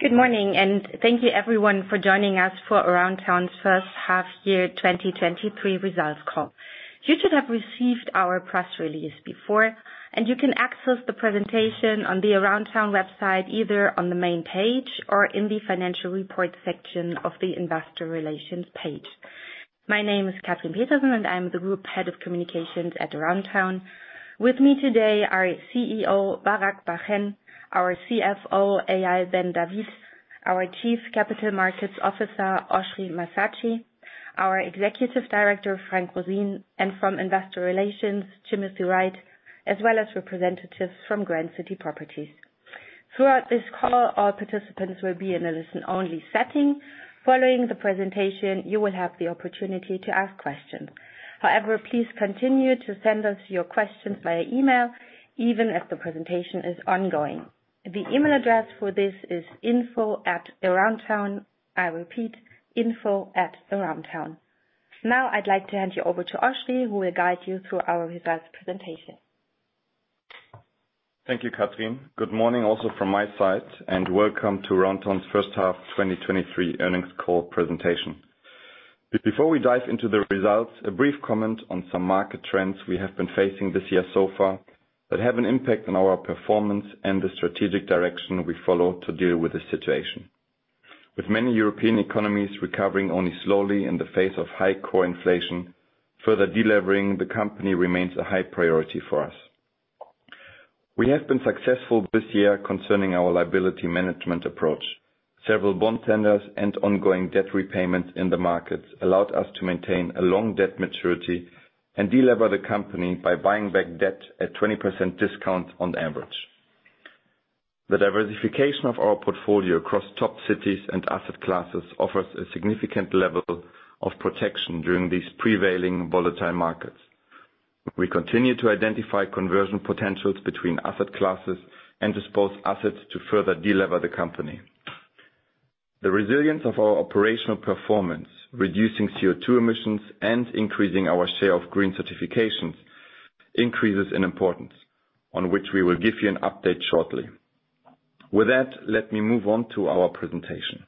Good morning, and thank you everyone for joining us for Aroundtown's first half year 2023 results call. You should have received our press release before, and you can access the presentation on the Aroundtown website, either on the main page or in the Financial Report section of the Investor Relations page. My name is Catherine Peterson, and I'm the Group Head of Communications at Aroundtown. With me today are CEO Barak Bar-Hen, our CFO Eyal Ben David, our Chief Capital Markets Officer Oschrie Massatschi, our Executive Director Frank Roseen, and from Investor Relations, Timothy Wright, as well as representatives from Grand City Properties. Throughout this call, our participants will be in a listen-only setting. Following the presentation, you will have the opportunity to ask questions. However, please continue to send us your questions via email, even as the presentation is ongoing. The email address for this is info at Aroundtown. I repeat, info at Aroundtown. Now, I'd like to hand you over to Oschrie, who will guide you through our results presentation. Thank you, Catherine. Good morning also from my side, and welcome to Aroundtown's first half 2023 earnings call presentation. Before we dive into the results, a brief comment on some market trends we have been facing this year so far, that have an impact on our performance and the strategic direction we follow to deal with the situation. With many European economies recovering only slowly in the face of high core inflation, further delevering the company remains a high priority for us. We have been successful this year concerning our liability management approach. Several bond tenders and ongoing debt repayments in the markets allowed us to maintain a long debt maturity and delever the company by buying back debt at 20% discount on average. The diversification of our portfolio across top cities and asset classes offers a significant level of protection during these prevailing volatile markets. We continue to identify conversion potentials between asset classes and dispose assets to further delever the company. The resilience of our operational performance, reducing CO2 emissions and increasing our share of green certifications, increases in importance, on which we will give you an update shortly. With that, let me move on to our presentation.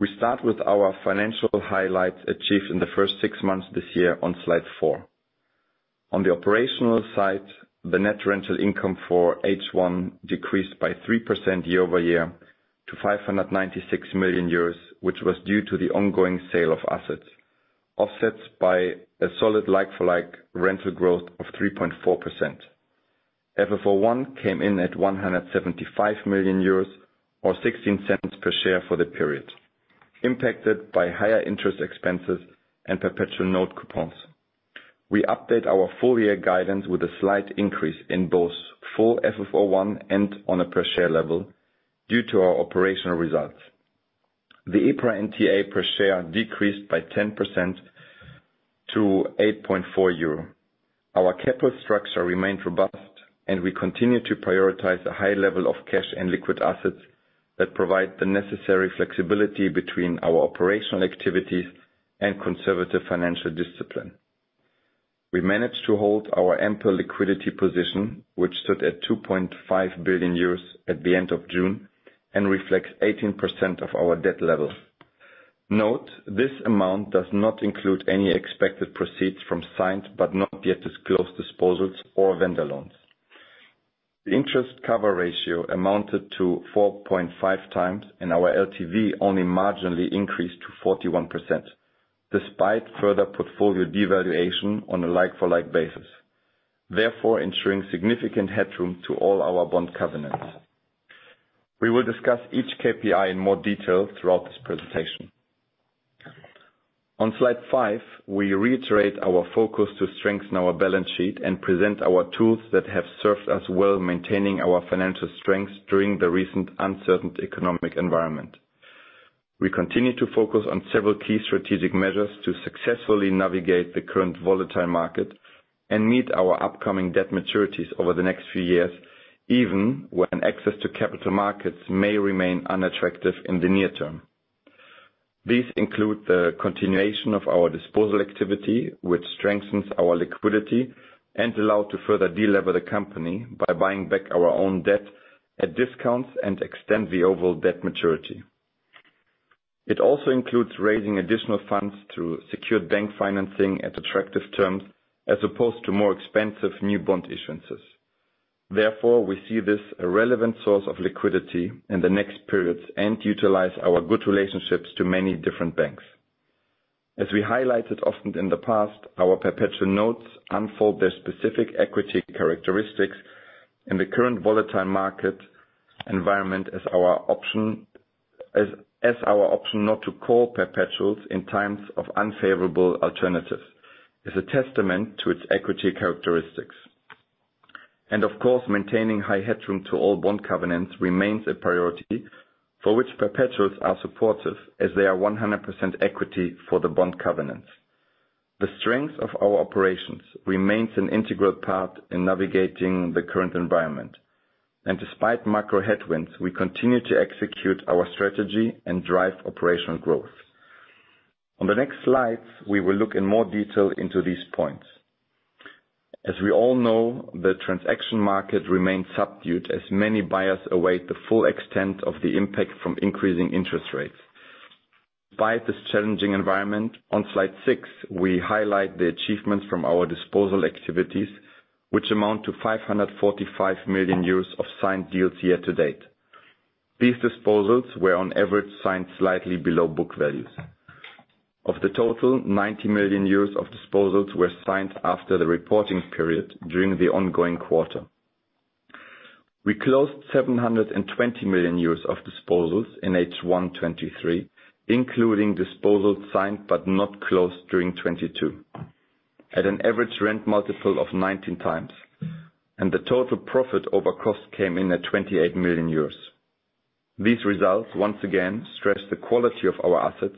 We start with our financial highlights achieved in the first six months this year on slide four. On the operational side, the net rental income for H1 decreased by 3% year-over-year to 596 million euros, which was due to the ongoing sale of assets, offset by a solid like-for-like rental growth of 3.4%. FFO I came in at 175 million euros, or 0.16 per share for the period, impacted by higher interest expenses and perpetual note coupons. We update our full year guidance with a slight increase in both full FFO I and on a per share level due to our operational results. The EPRA NTA per share decreased by 10% to 8.4 euro Our capital structure remains robust, and we continue to prioritize a high level of cash and liquid assets, that provide the necessary flexibility between our operational activities and conservative financial discipline. We managed to hold our ample liquidity position, which stood at 2.5 billion euros at the end of June and reflects 18% of our debt level. Note, this amount does not include any expected proceeds from signed, but not yet disclosed disposals or vendor loans. The Interest Cover Ratio amounted to 4.5x, and our LTV only marginally increased to 41%, despite further portfolio devaluation on a like-for-like basis, therefore ensuring significant headroom to all our bond covenants. We will discuss each KPI in more detail throughout this presentation. On slide fiv,e we reiterate our focus to strengthen our balance sheet and present our tools that have served us well, maintaining our financial strength during the recent uncertain economic environment. We continue to focus on several key strategic measures to successfully navigate the current volatile market and meet our upcoming debt maturities over the next few years, even when access to capital markets may remain unattractive in the near term. These include the continuation of our disposal activity, which strengthens our liquidity and allow to further delever the company by buying back our own debt at discounts and extend the overall debt maturity. It also includes raising additional funds through secured bank financing at attractive terms, as opposed to more expensive new bond issuances. Therefore, we see this a relevant source of liquidity in the next periods and utilize our good relationships to many different banks. As we highlighted often in the past, our perpetual notes unfold their specific equity characteristics in the current volatile market environment as our option not to call perpetuals in times of unfavorable alternatives, is a testament to its equity characteristics. And of course, maintaining high headroom to all bond covenants remains a priority, for which perpetuals are supportive, as they are 100% equity for the bond covenants. The strength of our operations remains an integral part in navigating the current environment. Despite macro headwinds, we continue to execute our strategy and drive operational growth. On the next slides, we will look in more detail into these points... As we all know, the transaction market remains subdued, as many buyers await the full extent of the impact from increasing interest rates. Despite this challenging environment, on slide six, we highlight the achievements from our disposal activities, which amount to 545 million euros of signed deals year to date. These disposals were on average, signed slightly below book values. Of the total, 90 million euros of disposals were signed after the reporting period during the ongoing quarter. We closed 720 million euros of disposals in H1 2023, including disposals signed, but not closed during 2022, at an average rent multiple of 19x, and the total profit over cost came in at 28 million euros. These results once again stress the quality of our assets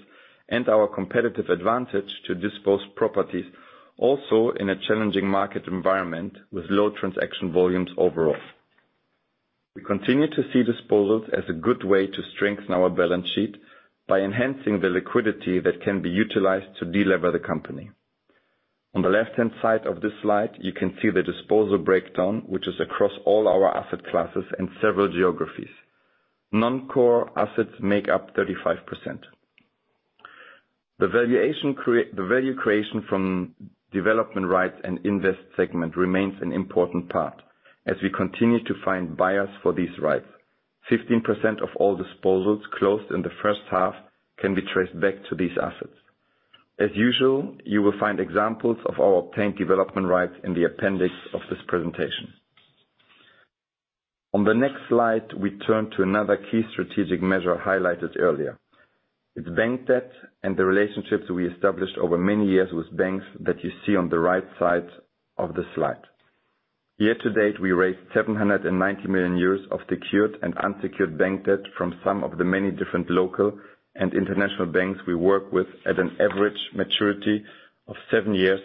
and our competitive advantage to dispose properties, also in a challenging market environment with low transaction volumes overall. We continue to see disposals as a good way to strengthen our balance sheet by enhancing the liquidity that can be utilized to delever the company. On the left-hand side of this slide, you can see the disposal breakdown, which is across all our asset classes and several geographies. Non-core assets make up 35%. The value creation from development rights and invest segment remains an important part, as we continue to find buyers for these rights. 15% of all disposals closed in the first half can be traced back to these assets. As usual, you will find examples of our obtained development rights in the appendix of this presentation. On the next slide, we turn to another key strategic measure highlighted earlier. It's bank debt and the relationships we established over many years with banks that you see on the right side of the slide. Year-to-date, we raised 790 million euros of secured and unsecured bank debt from some of the many different local and international banks we work with, at an average maturity of seven years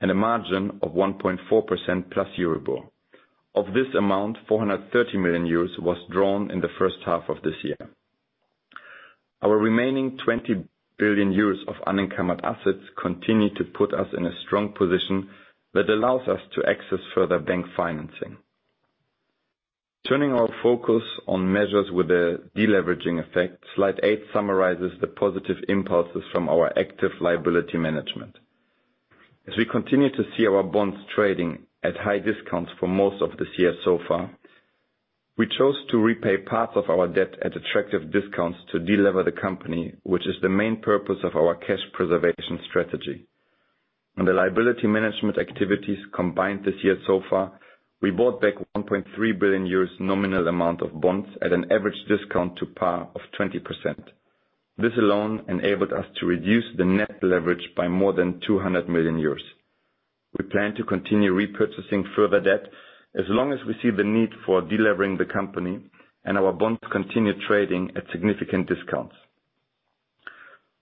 and a margin of 1.4% plus Euribor. Of this amount, 430 million euros was drawn in the first half of this year. Our remaining 20 billion euros of unencumbered assets continue to put us in a strong position that allows us to access further bank financing. Turning our focus on measures with a deleveraging effect, slide eight summarizes the positive impulses from our active liability management. As we continue to see our bonds trading at high discounts for most of this year so far, we chose to repay part of our debt at attractive discounts to delever the company, which is the main purpose of our cash preservation strategy. On the liability management activities combined this year so far, we bought back 1.3 billion euros nominal amount of bonds at an average discount to par of 20%. This alone enabled us to reduce the net leverage by more than 200 million euros. We plan to continue repurchasing further debt as long as we see the need for delevering the company, and our bonds continue trading at significant discounts.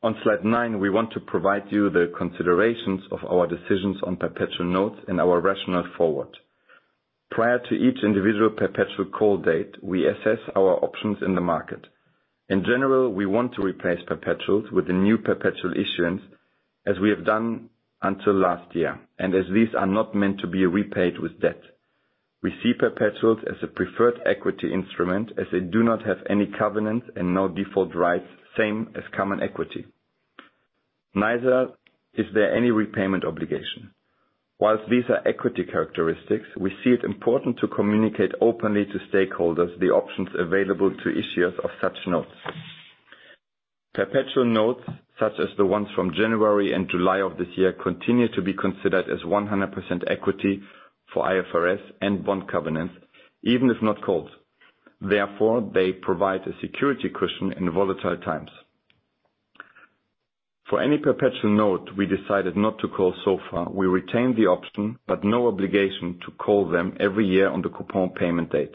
On slide nine, we want to provide you the considerations of our decisions on Perpetual Notes and our rationale forward. Prior to each individual Perpetual call date, we assess our options in the market. In general, we want to replace Perpetuals with the new Perpetual issuance, as we have done until last year, and as these are not meant to be repaid with debt. We see Perpetuals as a preferred equity instrument, as they do not have any covenants and no default rights, same as common equity. Neither is there any repayment obligation. While these are equity characteristics, we see it important to communicate openly to stakeholders the options available to issuers of such notes. Perpetual Notes, such as the ones from January and July of this year, continue to be considered as 100% equity for IFRS and bond covenants, even if not called. Therefore, they provide a security cushion in volatile times. For any Perpetual Note we decided not to call so far, we retain the option, but no obligation, to call them every year on the coupon payment date.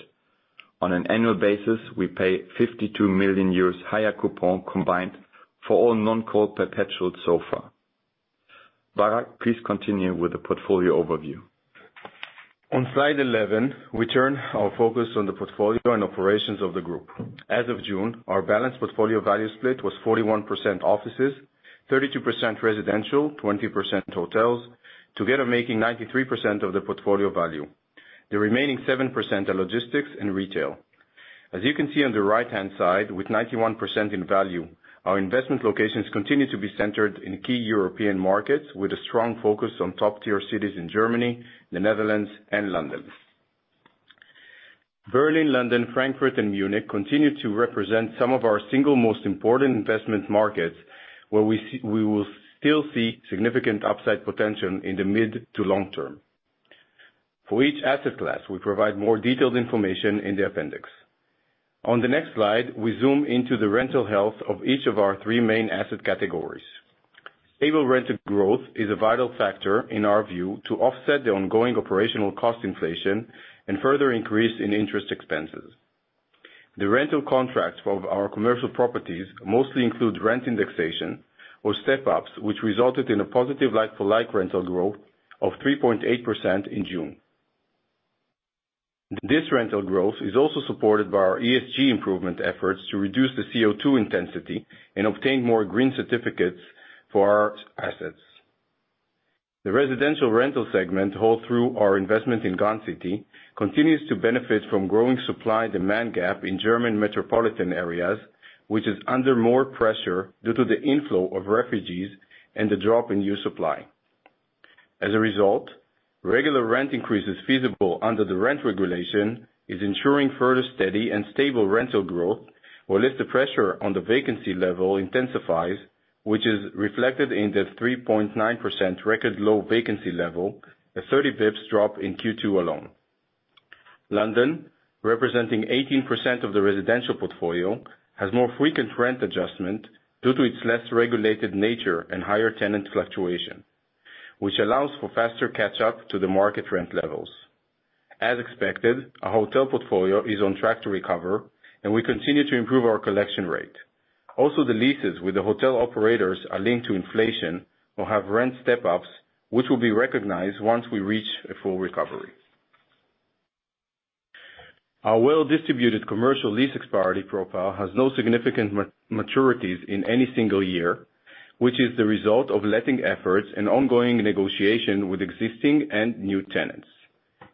On an annual basis, we pay 52 million euros higher coupon combined for all non-call perpetuals so far. Barak, please continue with the portfolio overview. On slide 11, we turn our focus on the portfolio and operations of the group. As of June, our balanced portfolio value split was 41% offices, 32% residential, 20% hotels, together making 93% of the portfolio value. The remaining 7% are logistics and retail. As you can see on the right-hand side, with 91% in value, our investment locations continue to be centered in key European markets, with a strong focus on top-tier cities in Germany, the Netherlands, and London. Berlin, London, Frankfurt, and Munich continue to represent some of our single most important investment markets, where we see-- we will still see significant upside potential in the mid to long term. For each asset class, we provide more detailed information in the appendix. On the next slide, we zoom into the rental health of each of our three main asset categories. Stable rental growth is a vital factor, in our view, to offset the ongoing operational cost inflation and further increase in interest expenses. The rental contracts of our commercial properties mostly include rent indexation or step-ups, which resulted in a positive like-for-like rental growth of 3.8% in June. This rental growth is also supported by our ESG improvement efforts to reduce the CO₂ intensity and obtain more green certificates for our assets. The residential rental segment, held through our investment in Grand City, continues to benefit from growing supply-demand gap in German metropolitan areas, which is under more pressure due to the inflow of refugees and the drop in new supply. As a result, regular rent increases feasible under the rent regulation is ensuring further steady and stable rental growth, or if the pressure on the vacancy level intensifies, which is reflected in the 3.9% record low vacancy level, a 30 basis points drop in Q2 alone. London, representing 18% of the residential portfolio, has more frequent rent adjustment due to its less regulated nature and higher tenant fluctuation, which allows for faster catch-up to the market rent levels. As expected, our hotel portfolio is on track to recover, and we continue to improve our collection rate. Also, the leases with the hotel operators are linked to inflation or have rent step-ups, which will be recognized once we reach a full recovery. Our well-distributed commercial lease expiry profile has no significant maturities in any single year, which is the result of letting efforts and ongoing negotiation with existing and new tenants.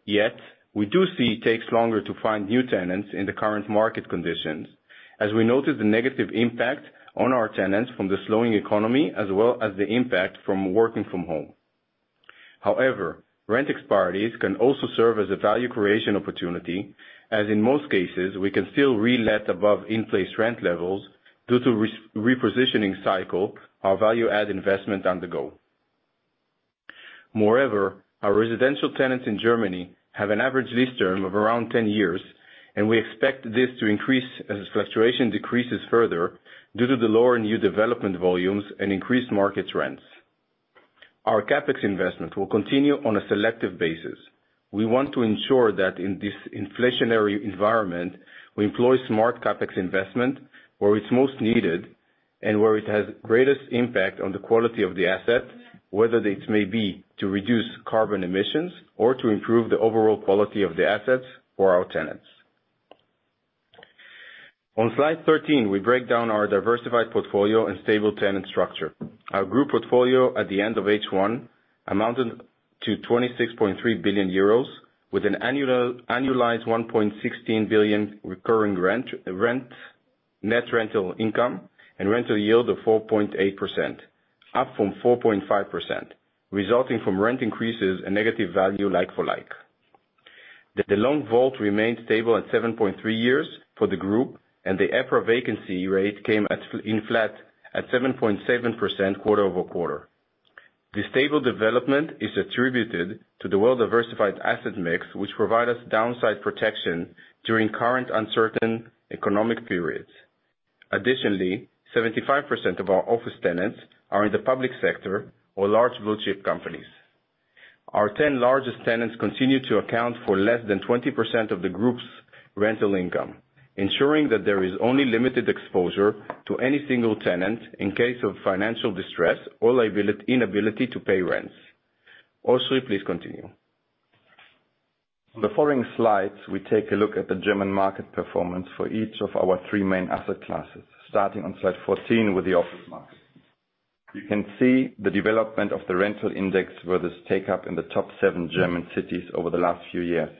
Yet, we do see it takes longer to find new tenants in the current market conditions, as we noted the negative impact on our tenants from the slowing economy, as well as the impact from working from home. However, rent expiries can also serve as a value creation opportunity, as in most cases, we can still re-let above in-place rent levels due to repositioning cycle, our value add investment on the go. Moreover, our residential tenants in Germany have an average lease term of around 10 years, and we expect this to increase as fluctuation decreases further due to the lower new development volumes and increased market rents. Our CapEx investment will continue on a selective basis. We want to ensure that in this inflationary environment, we employ smart CapEx investment where it's most needed and where it has greatest impact on the quality of the asset, whether it may be to reduce carbon emissions or to improve the overall quality of the assets for our tenants. On slide 13, we break down our diversified portfolio and stable tenant structure. Our group portfolio at the end of H1 amounted to 26.3 billion euros, with an annualized 1.16 billion recurring rent, net rental income, and rental yield of 4.8%, up from 4.5%, resulting from rent increases and negative value like-for-like. The long WAULT remained stable at 7.3 years for the group, and the EPRA vacancy rate came in flat at 7.7% quarter-over-quarter. The stable development is attributed to the well-diversified asset mix, which provide us downside protection during current uncertain economic periods. Additionally, 75% of our office tenants are in the public sector or large blue chip companies. Our 10 largest tenants continue to account for less than 20% of the group's rental income, ensuring that there is only limited exposure to any single tenant in case of financial distress or inability to pay rents. Oschrie, please continue. On the following slides, we take a look at the German market performance for each of our three main asset classes, starting on slide 14 with the office market. You can see the development of the rental index versus take-up in the top seven German cities over the last few years.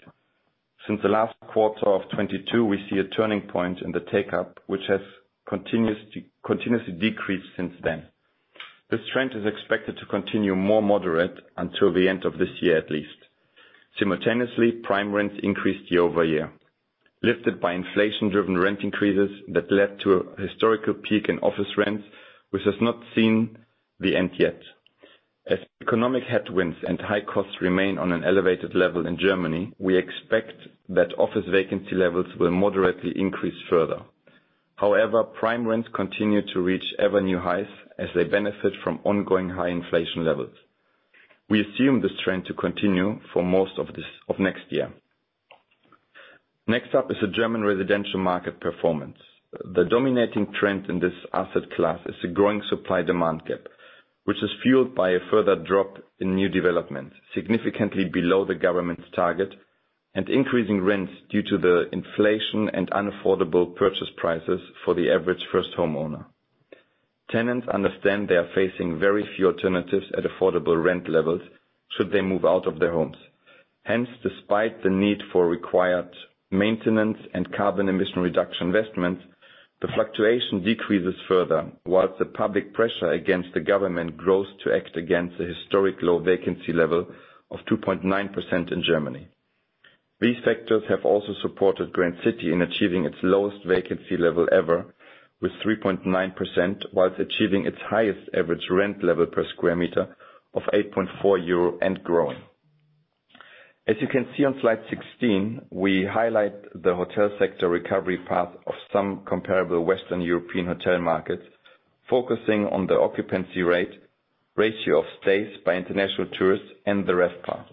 Since the last quarter of 2022, we see a turning point in the take-up, which has continuously decreased since then. This trend is expected to continue more moderate until the end of this year, at least. Simultaneously, prime rents increased year-over-year, lifted by inflation-driven rent increases that led to a historical peak in office rents, which has not seen the end yet. As economic headwinds and high costs remain on an elevated level in Germany, we expect that office vacancy levels will moderately increase further. However, prime rents continue to reach ever-new highs as they benefit from ongoing high inflation levels. We assume this trend to continue for most of this, of next year. Next up is the German residential market performance. The dominating trend in this asset class is a growing supply-demand gap, which is fueled by a further drop in new developments, significantly below the government's target, and increasing rents due to the inflation and unaffordable purchase prices for the average first homeowner. Tenants understand they are facing very few alternatives at affordable rent levels should they move out of their homes. Hence, despite the need for required maintenance and carbon emission reduction investment, the fluctuation decreases further, whilst the public pressure against the government grows to act against the historic low vacancy level of 2.9% in Germany. These factors have also supported Grand City in achieving its lowest vacancy level ever, with 3.9%, while achieving its highest average rent level per square meter of 8.4 euro and growing. As you can see on slide 16, we highlight the hotel sector recovery path of some comparable Western European hotel markets, focusing on the occupancy rate, ratio of stays by international tourists, and the RevPAR.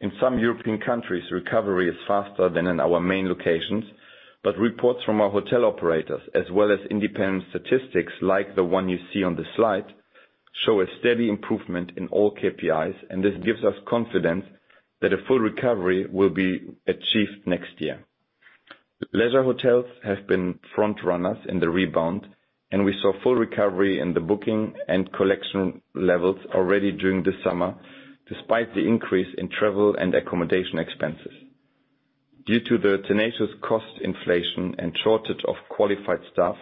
In some European countries, recovery is faster than in our main locations, but reports from our hotel operators, as well as independent statistics, like the one you see on the slide, show a steady improvement in all KPIs, and this gives us confidence that a full recovery will be achieved next year. Leisure hotels have been front runners in the rebound, and we saw full recovery in the booking and collection levels already during the summer, despite the increase in travel and accommodation expenses. Due to the tenacious cost inflation and shortage of qualified staff,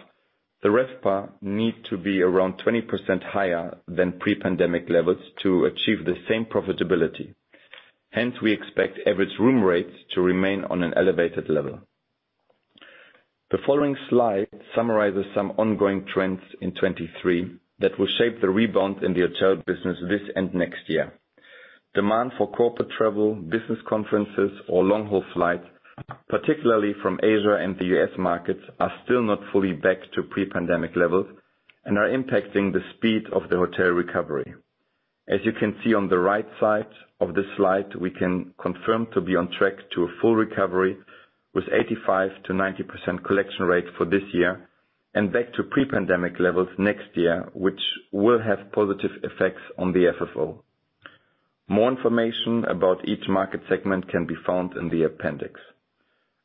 the RevPAR need to be around 20% higher than pre-pandemic levels to achieve the same profitability. Hence, we expect average room rates to remain on an elevated level. The following slide summarizes some ongoing trends in 2023, that will shape the rebound in the hotel business this and next year. Demand for corporate travel, business conferences or long-haul flights, particularly from Asia and the U.S. markets, are still not fully back to pre-pandemic levels and are impacting the speed of the hotel recovery. As you can see on the right side of this slide, we can confirm to be on track to a full recovery, with 85%-90% collection rate for this year, and back to pre-pandemic levels next year, which will have positive effects on the FFO. More information about each market segment can be found in the appendix.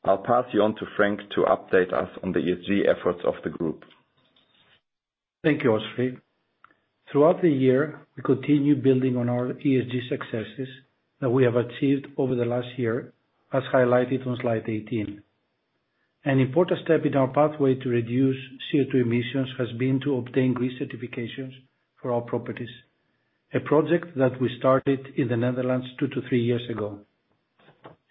I'll pass you on to Frank to update us on the ESG efforts of the group. Thank you, Oschrie. Throughout the year, we continued building on our ESG successes that we have achieved over the last year, as highlighted on slide 18. An important step in our pathway to reduce CO₂ emissions has been to obtain green certifications for our properties, a project that we started in the Netherlands two years-three years ago.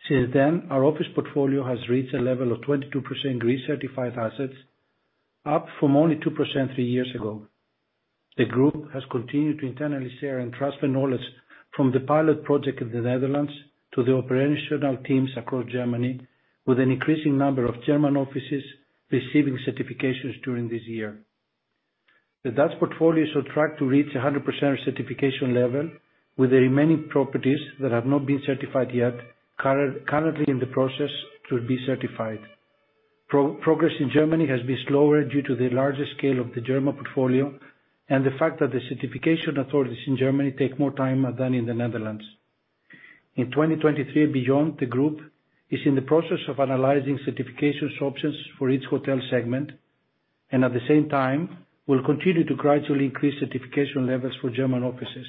Since then, our office portfolio has reached a level of 22% green certified assets, up from only 2% three years ago. The group has continued to internally share and transfer knowledge from the pilot project in the Netherlands to the operational teams across Germany, with an increasing number of German offices receiving certifications during this year. The Dutch portfolio is on track to reach 100% certification level, with the remaining properties that have not been certified yet, currently in the process to be certified. Progress in Germany has been slower due to the larger scale of the German portfolio, and the fact that the certification authorities in Germany take more time than in the Netherlands. In 2023 and beyond, the group is in the process of analyzing certification options for each hotel segment, and at the same time, will continue to gradually increase certification levels for German offices.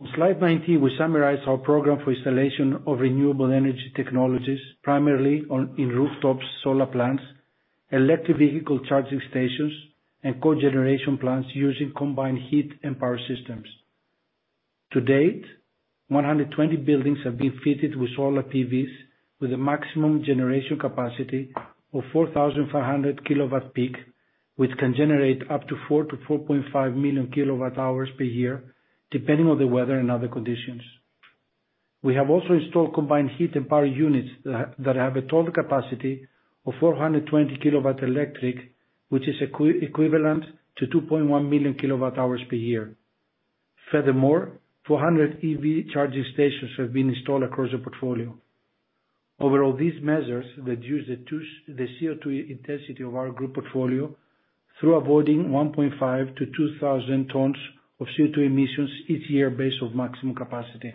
On slide 19, we summarize our program for installation of renewable energy technologies, primarily on, in rooftop solar plants, electric vehicle charging stations, and cogeneration plants using combined heat and power systems. To date, 120 buildings have been fitted with solar PVs, with a maximum generation capacity of 4,500 kWp, which can generate up to 4 million-4.5 million kilowatts per hour per year, depending on the weather and other conditions. We have also installed combined heat and power units that have a total capacity of 420 kW electric, which is equivalent to 2.1 million kWh per year. Furthermore, 400 EV charging stations have been installed across the portfolio. Overall, these measures reduce the CO₂ intensity of our group portfolio through avoiding 1500 tons-2,000 tons of CO₂ emissions each year, based on maximum capacity.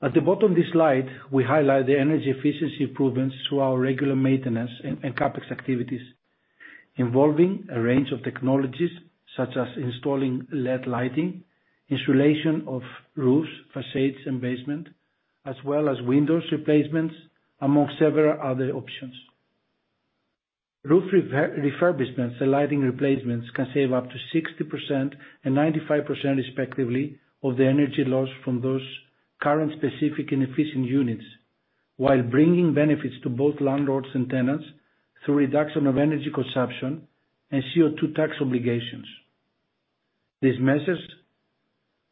At the bottom of this slide, we highlight the energy efficiency improvements through our regular maintenance and CapEx activities, involving a range of technologies such as installing LED lighting, insulation of roofs, facades, and basement, as well as windows replacements, among several other options. Roof refurbishment and lighting replacements can save up to 60% and 95%, respectively, of the energy loss from those current specific inefficient units, while bringing benefits to both landlords and tenants through reduction of energy consumption and CO₂ tax obligations. These measures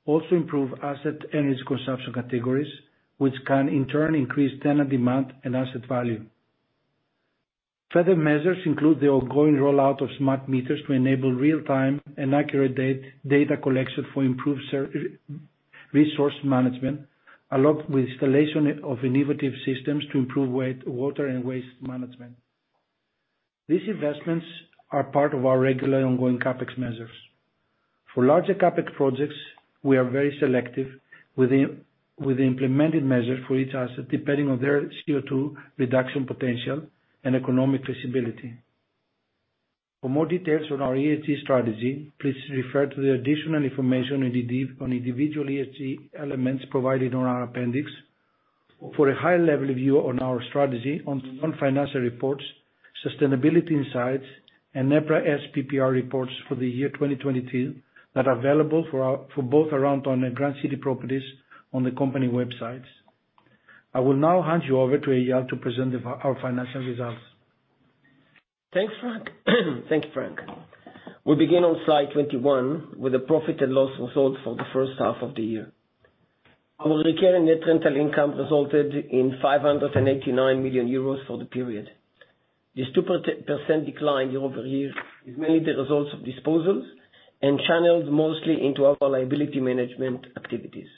also improve asset energy consumption categories, which can in turn increase tenant demand and asset value. Further measures include the ongoing rollout of smart meters to enable real-time and accurate data collection for improved resource management, along with installation of innovative systems to improve waste, water and waste management. These investments are part of our regular ongoing CapEx measures. For larger CapEx projects, we are very selective with the implemented measures for each asset, depending on their CO₂ reduction potential and economic feasibility. For more details on our ESG strategy, please refer to the additional information on the on individual ESG elements provided on our appendix. For a high-level view on our strategy on non-financial reports, sustainability insights, and EPRA sBPR reports for the year 2022, that are available for both Aroundtown and our Grand City Properties on the company websites. I will now hand you over to Eyal to present our financial results. Thanks, Frank. Thank you, Frank. We begin on slide 21, with the profit and loss results for the first half of the year. Our recurring net rental income resulted in 589 million euros for the period. This 2% decline year-over-year is mainly the result of disposals and channeled mostly into our liability management activities.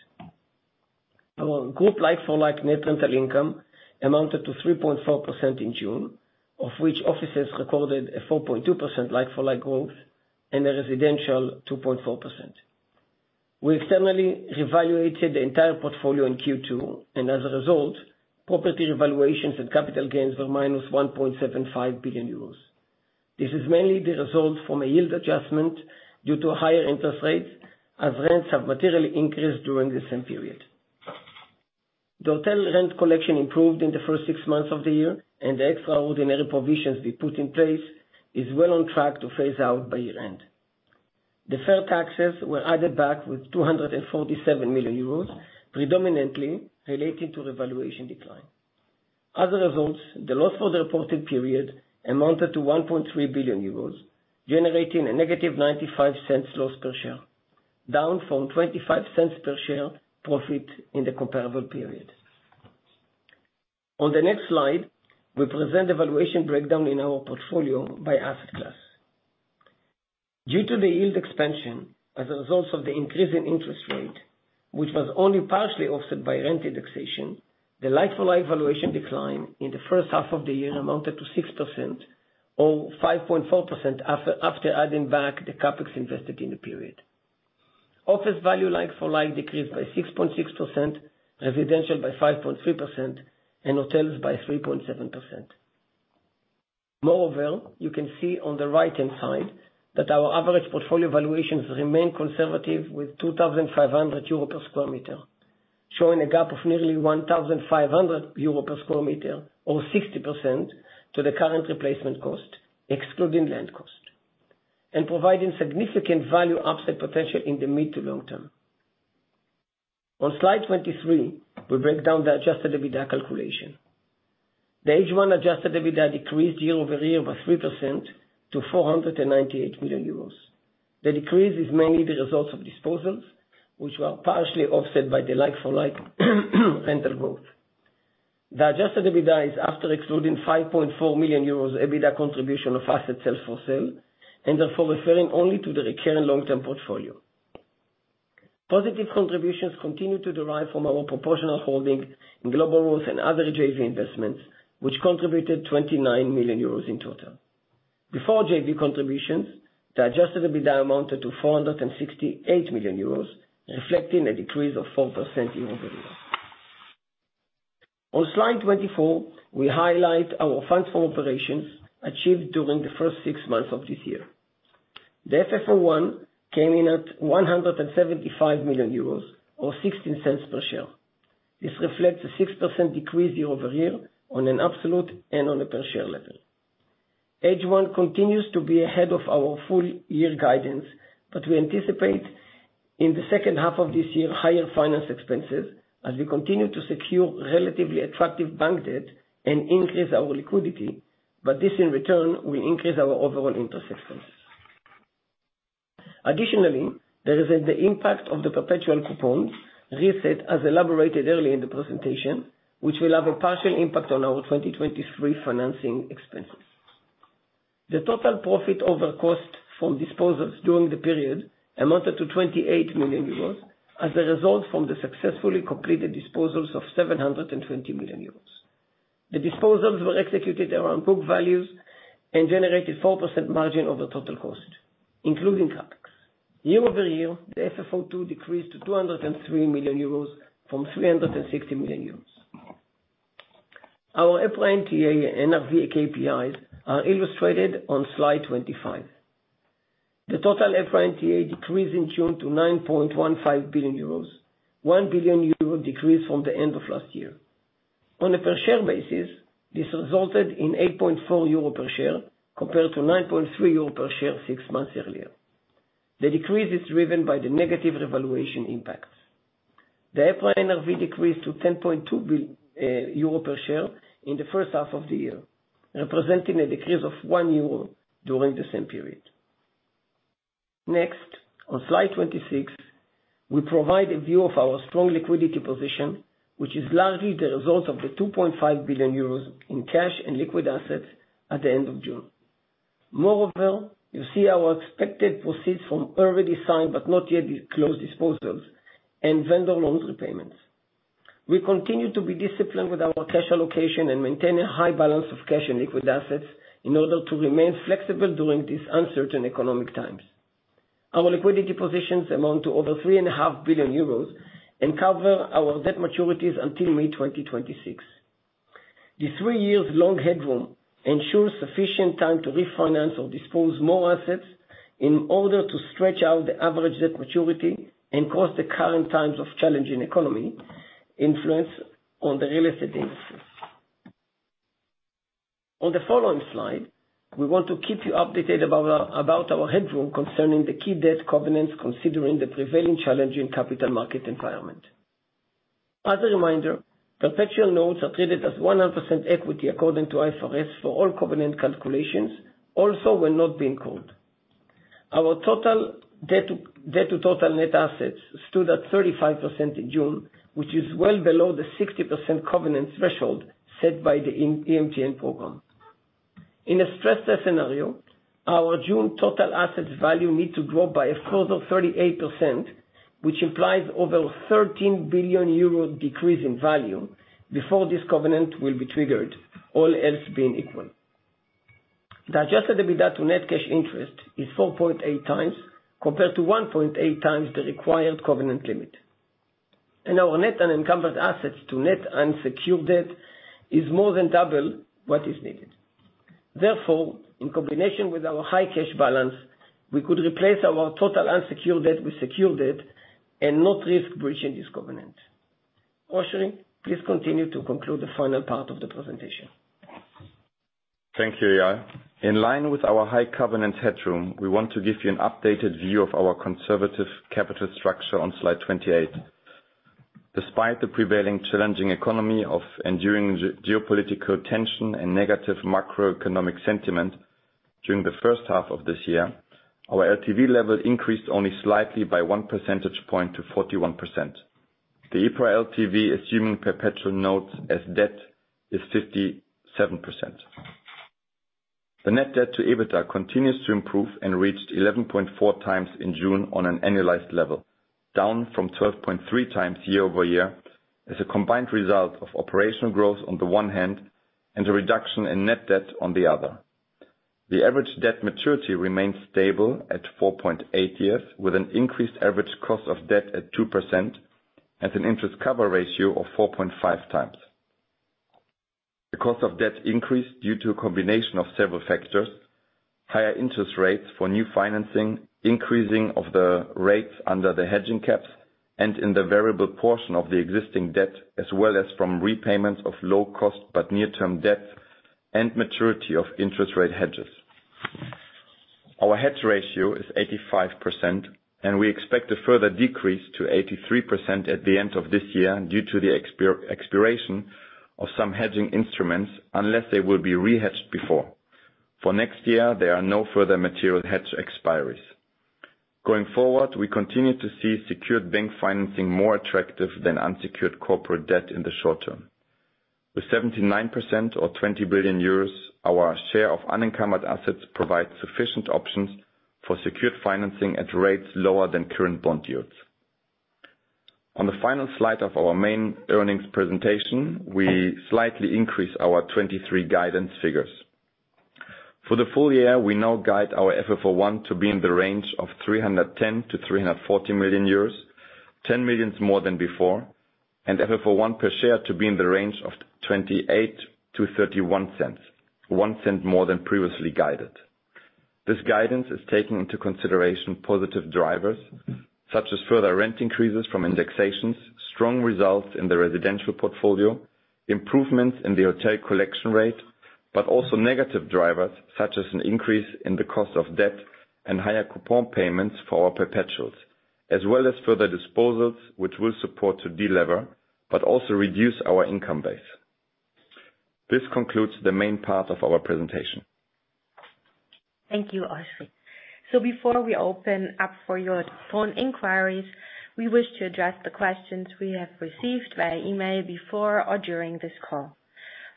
Our group like-for-like net rental income amounted to 3.4% in June, of which offices recorded a 4.2% like-for-like growth and the residential, 2.4%. We externally revalued the entire portfolio in Q2, and as a result, property valuations and capital gains were -1.75 billion euros. This is mainly the result from a yield adjustment due to higher interest rates, as rents have materially increased during the same period. The hotel rent collection improved in the first six months of the year, and the extraordinary provisions we put in place is well on track to phase out by year-end. Deferred taxes were added back with 247 million euros, predominantly related to the valuation decline. As a result, the loss for the reported period amounted to 1.3 billion euros, generating a -0.95 loss per share, down from 0.25 per share profit in the comparable period. On the next slide, we present the valuation breakdown in our portfolio by asset class. Due to the yield expansion as a result of the increase in interest rate, which was only partially offset by rent indexation, the like-for-like valuation decline in the first half of the year amounted to 6%, or 5.4% after adding back the CapEx invested in the period. Office value like-for-like decreased by 6.6%, residential by 5.3%, and hotels by 3.7%. Moreover, you can see on the right-hand side that our average portfolio valuations remain conservative with 2,500 euro per square meter, showing a gap of nearly 1,500 euro per square meter, or 60% to the current replacement cost, excluding land cost, and providing significant value upside potential in the mid to long term. On slide 23, we break down the Adjusted EBITDA calculation. The H1 Adjusted EBITDA decreased year-over-year by 3% to 498 million euros. The decrease is mainly the result of disposals, which were partially offset by the like-for-like rental growth. The Adjusted EBITDA is after excluding 5.4 million euros EBITDA contribution of assets held for sale, and therefore referring only to the recurring long-term portfolio. Positive contributions continue to derive from our proportional holding in Grand City Properties and other JV investments, which contributed 29 million euros in total. Before JV contributions, the Adjusted EBITDA amounted to 468 million euros, reflecting a decrease of 4% year-over-year. On slide 24, we highlight our Funds From Operations achieved during the first six months of this year. The FFO I came in at 175 million euros, or 0.16 per share. This reflects a 6% decrease year-over-year on an absolute and on a per share level. H1 continues to be ahead of our full year guidance, but we anticipate in the second half of this year, higher finance expenses as we continue to secure relatively attractive bank debt and increase our liquidity, but this in return, will increase our overall interest expense. Additionally, there is the impact of the perpetual coupons reset as elaborated earlier in the presentation, which will have a partial impact on our 2023 financing expenses. The total profit over cost from disposals during the period amounted to 28 million euros as a result from the successfully completed disposals of 720 million euros. The disposals were executed around book values and generated 4% margin over total cost, including CapEx. Year-over-year, the FFO II decreased to 203 million euros from 360 million euros. Our FFO NTA and NAV KPIs are illustrated on slide 25. The total FFO NTA decreased in June to 9.15 billion euros, 1 billion euro decrease from the end of last year. On a per share basis, this resulted in 8.4 euro per share, compared to 9.3 euro per share six months earlier. The decrease is driven by the negative revaluation impacts. The FFO NAV decreased to 10.2 euros per share in the first half of the year, representing a decrease of 1 euro during the same period. Next, on slide 26, we provide a view of our strong liquidity position, which is largely the result of the 2.5 billion euros in cash and liquid assets at the end of June. Moreover, you see our expected proceeds from already signed but not yet closed disposals and vendor loans repayments. We continue to be disciplined with our cash allocation and maintain a high balance of cash and liquid assets in order to remain flexible during these uncertain economic times. Our liquidity positions amount to over 3.5 billion euros and cover our debt maturities until May 2026. The three years long headroom ensures sufficient time to refinance or dispose more assets in order to stretch out the average debt maturity and cross the current times of challenging economy influence on the real estate industry. On the following slide, we want to keep you updated about our headroom concerning the key debt covenants, considering the prevailing challenging capital market environment. As a reminder, perpetual notes are treated as 100% equity, according to IFRS, for all covenant calculations, also when not being called. Our total debt to debt to total net assets stood at 35% in June, which is well below the 60% covenant threshold set by the EMTN program. In a stress test scenario, our June total assets value need to grow by a further 38%, which implies over 13 billion euro decrease in value before this covenant will be triggered, all else being equal. The Adjusted EBITDA to net cash interest is 4.8x, compared to 1.8x the required covenant limit. Our net unencumbered assets to net unsecured debt is more than double what is needed. Therefore, in combination with our high cash balance, we could replace our total unsecured debt with secured debt and not risk breaching this covenant. Oschrie, please continue to conclude the final part of the presentation. Thank you, Eyal. In line with our high covenant headroom, we want to give you an updated view of our conservative capital structure on slide 28. Despite the prevailing challenging economy of enduring geopolitical tension and negative macroeconomic sentiment during the first half of this year, our LTV level increased only slightly by 1 percentage point to 41%. The EPRA LTV, assuming perpetual notes as debt, is 57%. The net debt to EBITDA continues to improve and reached 11.4x in June on an annualized level, down from 12.3x year-over-year, as a combined result of operational growth on the one hand, and a reduction in net debt on the other. The average debt maturity remains stable at 4.8 years, with an increased average cost of debt at 2% and an Interest Cover Ratio of 4.5x. The cost of debt increased due to a combination of several factors: higher interest rates for new financing, increasing of the rates under the hedging caps, and in the variable portion of the existing debt, as well as from repayments of low cost, but near-term debt and maturity of interest rate hedges. Our hedge ratio is 85%, and we expect a further decrease to 83% at the end of this year, due to the expiration of some hedging instruments, unless they will be re-hedged before. For next year, there are no further material hedge expiries. Going forward, we continue to see secured bank financing more attractive than unsecured corporate debt in the short term. With 79% or 20 billion euros, our share of unencumbered assets provide sufficient options for secured financing at rates lower than current bond yields. On the final slide of our main earnings presentation, we slightly increase our 2023 guidance figures. For the full year, we now guide our FFO I to be in the range of 310 million-340 million euros, 10 million more than before, andFFO I per share to be in the range of 0.28-0.31, 0.01 more than previously guided. This guidance is taking into consideration positive drivers, such as further rent increases from indexations, strong results in the residential portfolio, improvements in the hotel collection rate, but also negative drivers, such as an increase in the cost of debt and higher coupon payments for our perpetuals, as well as further disposals, which will support to delever, but also reduce our income base. This concludes the main part of our presentation. Thank you, Oschrie. Before we open up for your phone inquiries, we wish to address the questions we have received via email before or during this call.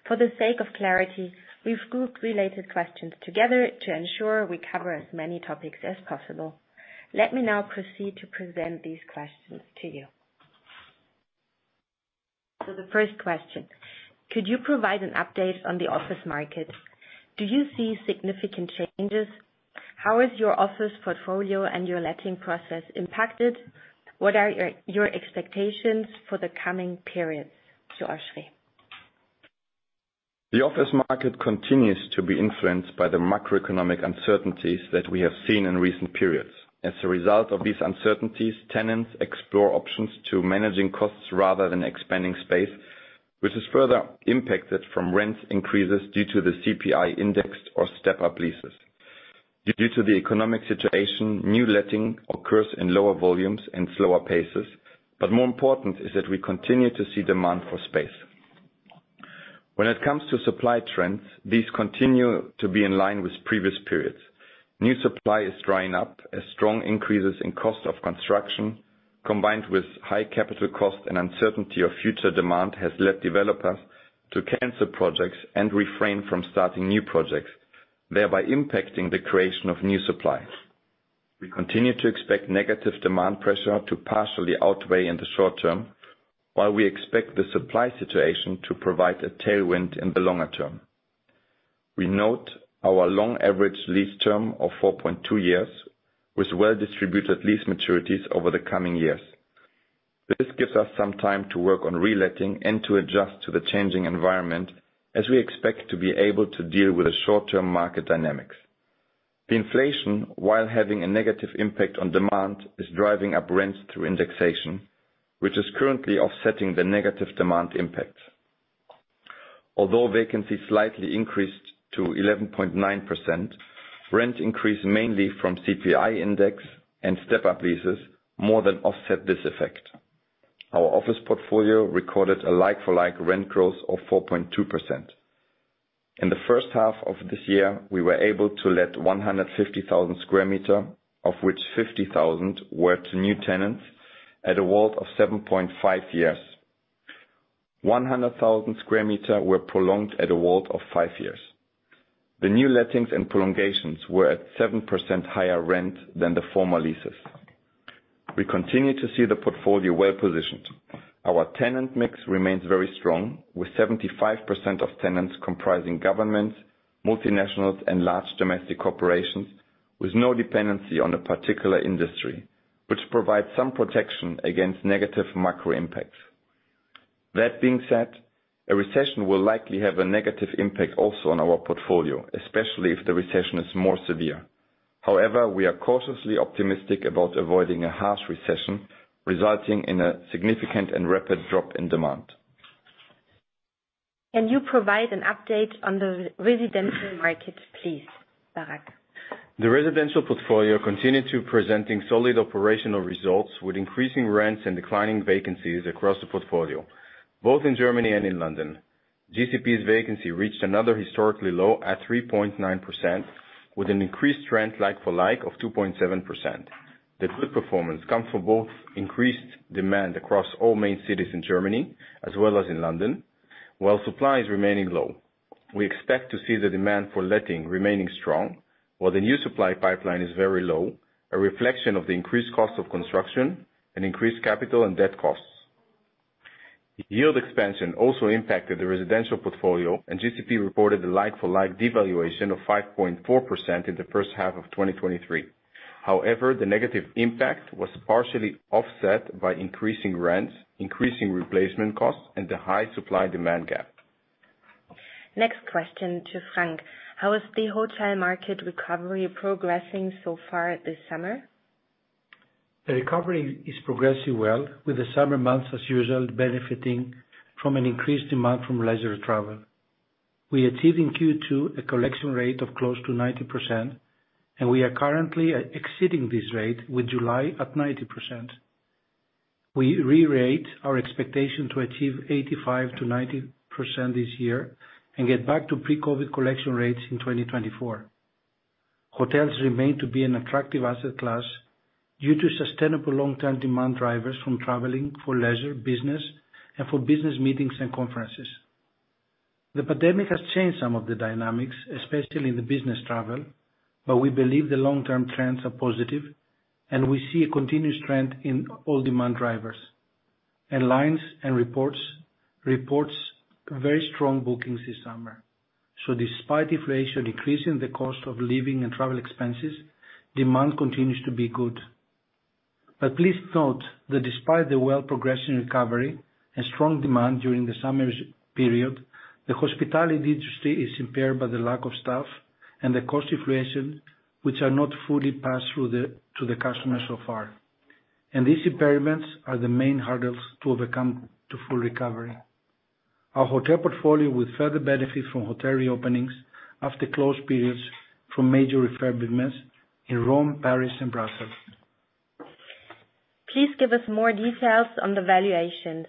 For the sake of clarity, we've grouped related questions together to ensure we cover as many topics as possible. Let me now proceed to present these questions to you. The first question: Could you provide an update on the office market? Do you see significant changes? How is your office portfolio and your letting process impacted? What are your expectations for the coming periods? To Oschrie. The office market continues to be influenced by the macroeconomic uncertainties that we have seen in recent periods. As a result of these uncertainties, tenants explore options to managing costs rather than expanding space, which is further impacted from rent increases due to the CPI indexed or step-up leases. Due to the economic situation, new letting occurs in lower volumes and slower paces, but more important is that we continue to see demand for space. When it comes to supply trends, these continue to be in line with previous periods. New supply is drying up, as strong increases in cost of construction, combined with high capital cost and uncertainty of future demand, has led developers to cancel projects and refrain from starting new projects, thereby impacting the creation of new supply. We continue to expect negative demand pressure to partially outweigh in the short term, while we expect the supply situation to provide a tailwind in the longer term. We note our long average lease term of 4.2 years, with well-distributed lease maturities over the coming years. This gives us some time to work on reletting and to adjust to the changing environment, as we expect to be able to deal with the short-term market dynamics. The inflation, while having a negative impact on demand, is driving up rents through indexation, which is currently offsetting the negative demand impact. Although vacancy slightly increased to 11.9%, rent increase, mainly from CPI index and step-up leases, more than offset this effect. Our office portfolio recorded a like-for-like rent growth of 4.2%. In the first half of this year, we were able to let 150,000 m², of which 50,000 were to new tenants, at a WAULT of 7.5 years.... 100,000 m² were prolonged at a WAULT of five years. The new lettings and prolongations were at 7% higher rent than the former leases. We continue to see the portfolio well-positioned. Our tenant mix remains very strong, with 75% of tenants comprising governments, multinationals, and large domestic corporations, with no dependency on a particular industry, which provides some protection against negative macro impacts. That being said, a recession will likely have a negative impact also on our portfolio, especially if the recession is more severe. However, we are cautiously optimistic about avoiding a harsh recession, resulting in a significant and rapid drop in demand. Can you provide an update on the residential market, please, Barak? The residential portfolio continued presenting solid operational results, with increasing rents and declining vacancies across the portfolio, both in Germany and in London. GCP's vacancy reached another historically low at 3.9%, with an increased rent like-for-like of 2.7%. The good performance comes from both increased demand across all main cities in Germany as well as in London, while supply is remaining low. We expect to see the demand for letting remaining strong, while the new supply pipeline is very low, a reflection of the increased cost of construction and increased capital and debt costs. Yield expansion also impacted the residential portfolio, and GCP reported a like-for-like devaluation of 5.4% in the first half of 2023. However, the negative impact was partially offset by increasing rents, increasing replacement costs, and the high supply-demand gap. Next question to Frank: How is the hotel market recovery progressing so far this summer? The recovery is progressing well, with the summer months, as usual, benefiting from an increased demand from leisure travel. We achieved in Q2 a collection rate of close to 90%, and we are currently exceeding this rate with July at 90%. We reiterate our expectation to achieve 85%-90% this year and get back to pre-COVID collection rates in 2024. Hotels remain to be an attractive asset class due to sustainable long-term demand drivers from traveling for leisure, business, and for business meetings and conferences. The pandemic has changed some of the dynamics, especially in the business travel, but we believe the long-term trends are positive, and we see a continuous trend in all demand drivers. Airlines report very strong bookings this summer. So despite inflation decreasing the cost of living and travel expenses, demand continues to be good. But please note that despite the well-progressing recovery and strong demand during the summer's period, the hospitality industry is impaired by the lack of staff and the cost inflation, which are not fully passed through to the customer so far. And these impairments are the main hurdles to overcome to full recovery. Our hotel portfolio will further benefit from hotel reopenings after closed periods from major refurbishments in Rome, Paris, and Brussels. Please give us more details on the valuations?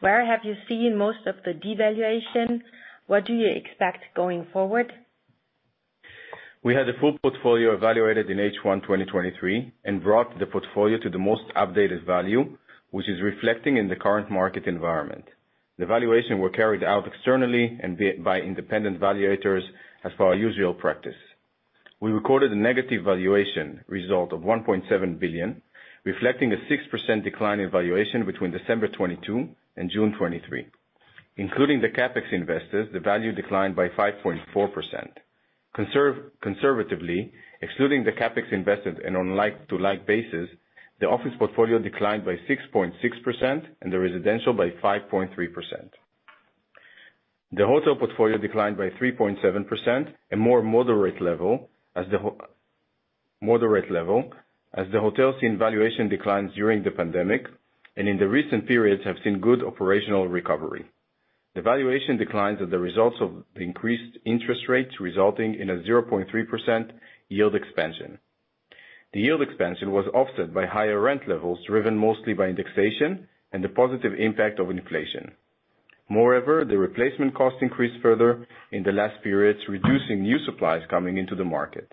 Where have you seen most of the devaluation? What do you expect going forward? We had the full portfolio evaluated in H1 2023, and brought the portfolio to the most updated value, which is reflecting in the current market environment. The valuation were carried out externally and by independent valuators, as per our usual practice. We recorded a negative valuation result of 1.7 billion, reflecting a 6% decline in valuation between December 2022 and June 2023. Including the CapEx invested, the value declined by 5.4%. Conservatively, excluding the CapEx invested and on like-for-like basis, the office portfolio declined by 6.6% and the residential by 5.3%. The hotel portfolio declined by 3.7% and more moderate level as the moderate level, as the hotel seen valuation declines during the pandemic, and in the recent periods have seen good operational recovery. The valuation declines are the results of the increased interest rates, resulting in a 0.3% yield expansion. The yield expansion was offset by higher rent levels, driven mostly by indexation and the positive impact of inflation. Moreover, the replacement costs increased further in the last periods, reducing new supplies coming into the market.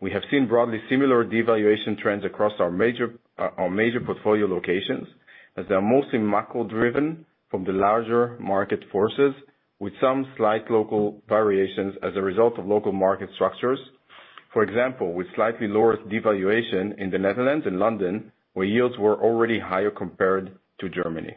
We have seen broadly similar devaluation trends across our major, our major portfolio locations, as they are mostly macro-driven from the larger market forces, with some slight local variations as a result of local market structures. For example, with slightly lower devaluation in the Netherlands and London, where yields were already higher compared to Germany.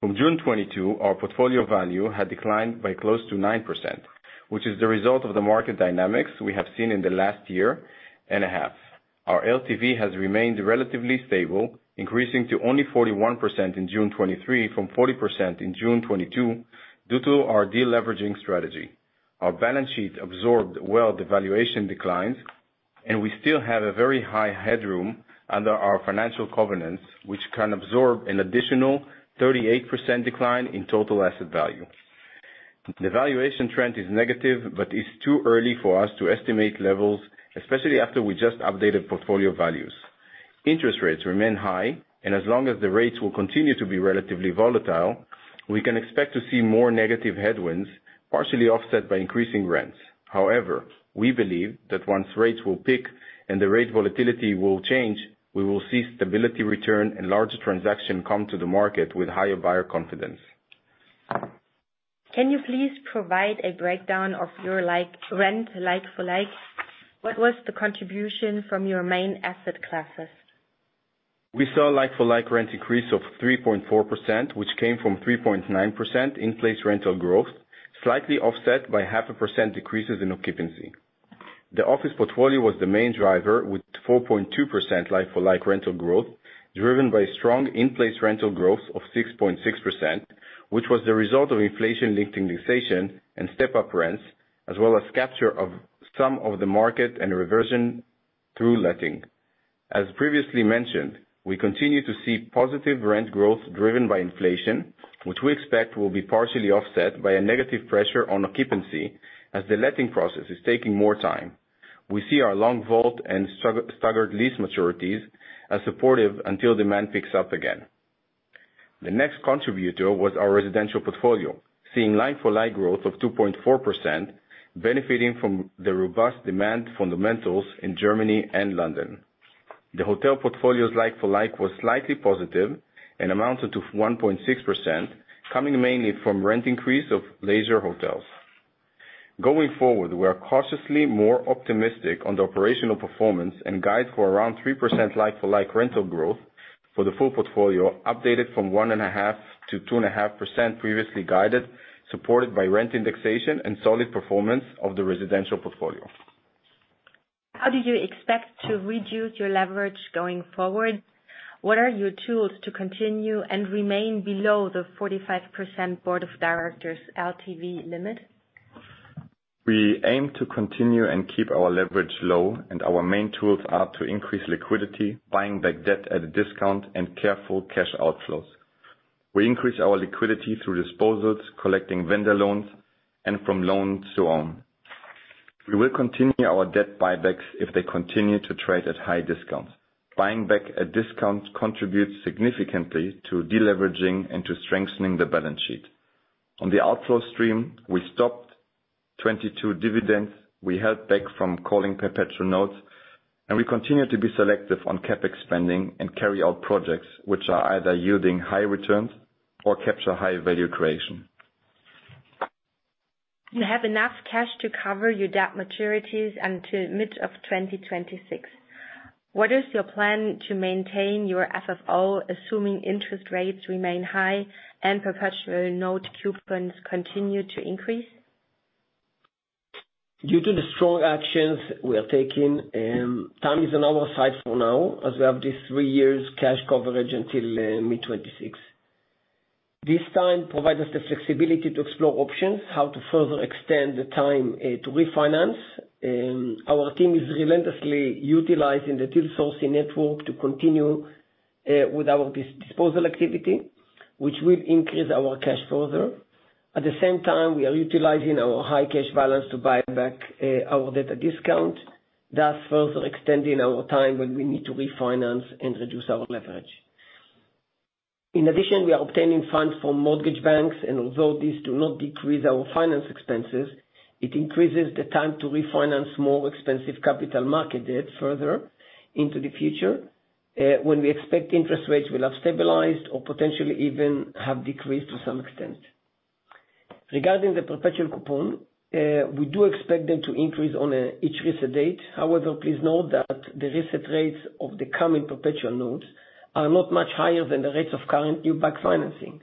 From June 2022, our portfolio value had declined by close to 9%, which is the result of the market dynamics we have seen in the last year and a half. Our LTV has remained relatively stable, increasing to only 41% in June 2023 from 40% in June 2022, due to our deleveraging strategy. Our balance sheet absorbed well the valuation declines, and we still have a very high headroom under our financial covenants, which can absorb an additional 38% decline in total asset value. The valuation trend is negative, but it's too early for us to estimate levels, especially after we just updated portfolio values. Interest rates remain high, and as long as the rates will continue to be relatively volatile. We can expect to see more negative headwinds, partially offset by increasing rents. However, we believe that once rates will peak and the rate volatility will change, we will see stability return and larger transaction come to the market with higher buyer confidence. Can you please provide a breakdown of your like-for-like rent? What was the contribution from your main asset classes? We saw a like-for-like rent increase of 3.4%, which came from 3.9% in-place rental growth, slightly offset by 0.5% decreases in occupancy. The office portfolio was the main driver, with 4.2% like-for-like rental growth, driven by strong in-place rental growth of 6.6%, which was the result of inflation-linked indexation and step-up rents, as well as capture of some of the market and reversion through letting. As previously mentioned, we continue to see positive rent growth driven by inflation, which we expect will be partially offset by a negative pressure on occupancy as the letting process is taking more time. We see our long WAULT and staggered lease maturities as supportive until demand picks up again. The next contributor was our residential portfolio, seeing like-for-like growth of 2.4%, benefiting from the robust demand fundamentals in Germany and London. The hotel portfolio's like-for-like was slightly positive and amounted to 1.6%, coming mainly from rent increase of leisure hotels. Going forward, we are cautiously more optimistic on the operational performance and guide for around 3% like-for-like rental growth for the full portfolio, updated from 1.5%-2.5% previously guided, supported by rent indexation and solid performance of the residential portfolio. How do you expect to reduce your leverage going forward? What are your tools to continue and remain below the 45% Board of Directors LTV limit? We aim to continue and keep our leverage low, and our main tools are to increase liquidity, buying back debt at a discount, and careful cash outflows. We increase our liquidity through disposals, collecting vendor loans, and from loans to own. We will continue our debt buybacks if they continue to trade at high discounts. Buying back at discount contributes significantly to deleveraging and to strengthening the balance sheet. On the outflow stream, we stopped 22 dividends, we held back from calling perpetual notes, and we continue to be selective on CapEx spending and carry out projects which are either yielding high returns or capture high value creation. You have enough cash to cover your debt maturities until mid of 2026. What is your plan to maintain your FFO, assuming interest rates remain high and perpetual note coupons continue to increase? Due to the strong actions we are taking, time is on our side for now, as we have this three years cash coverage until mid-2026. This time provides us the flexibility to explore options, how to further extend the time to refinance. Our team is relentlessly utilizing the deal sourcing network to continue with our disposal activity, which will increase our cash further. At the same time, we are utilizing our high cash balance to buy back our debt at discount, thus further extending our time when we need to refinance and reduce our leverage. In addition, we are obtaining funds from mortgage banks, and although these do not decrease our finance expenses, it increases the time to refinance more expensive capital market debt further into the future, when we expect interest rates will have stabilized or potentially even have decreased to some extent. Regarding the perpetual coupon, we do expect them to increase on each recent date. However, please note that the recent rates of the coming Perpetual Notes are not much higher than the rates of current year back financing.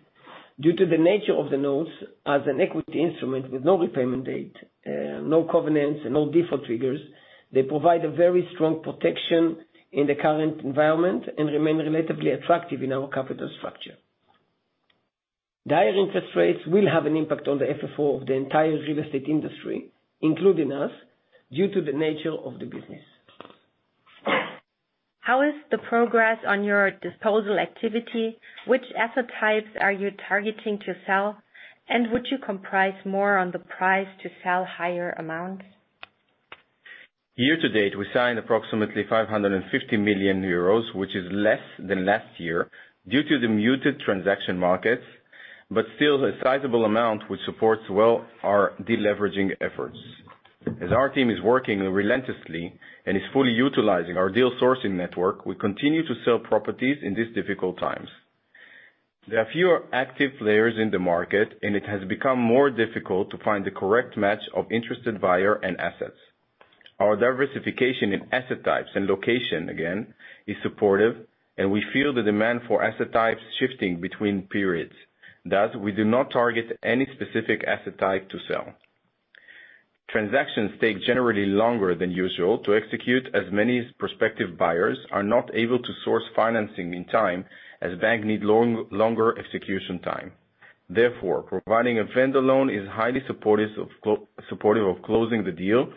Due to the nature of the notes, as an equity instrument with no repayment date, no covenants and no default triggers, they provide a very strong protection in the current environment and remain relatively attractive in our capital structure. Higher interest rates will have an impact on the FFO of the entire real estate industry, including us, due to the nature of the business. How is the progress on your disposal activity? Which asset types are you targeting to sell, and would you compromise more on the price to sell higher amounts? Year to date, we signed approximately 550 million euros, which is less than last year due to the muted transaction markets, but still a sizable amount, which supports well our deleveraging efforts. As our team is working relentlessly and is fully utilizing our deal sourcing network, we continue to sell properties in these difficult times. There are fewer active players in the market, and it has become more difficult to find the correct match of interested buyer and assets. Our diversification in asset types and location, again, is supportive, and we feel the demand for asset types shifting between periods. Thus, we do not target any specific asset type to sell. Transactions take generally longer than usual to execute, as many prospective buyers are not able to source financing in time, as banks need longer execution time. Therefore, providing a vendor loan is highly supportive of closing the deal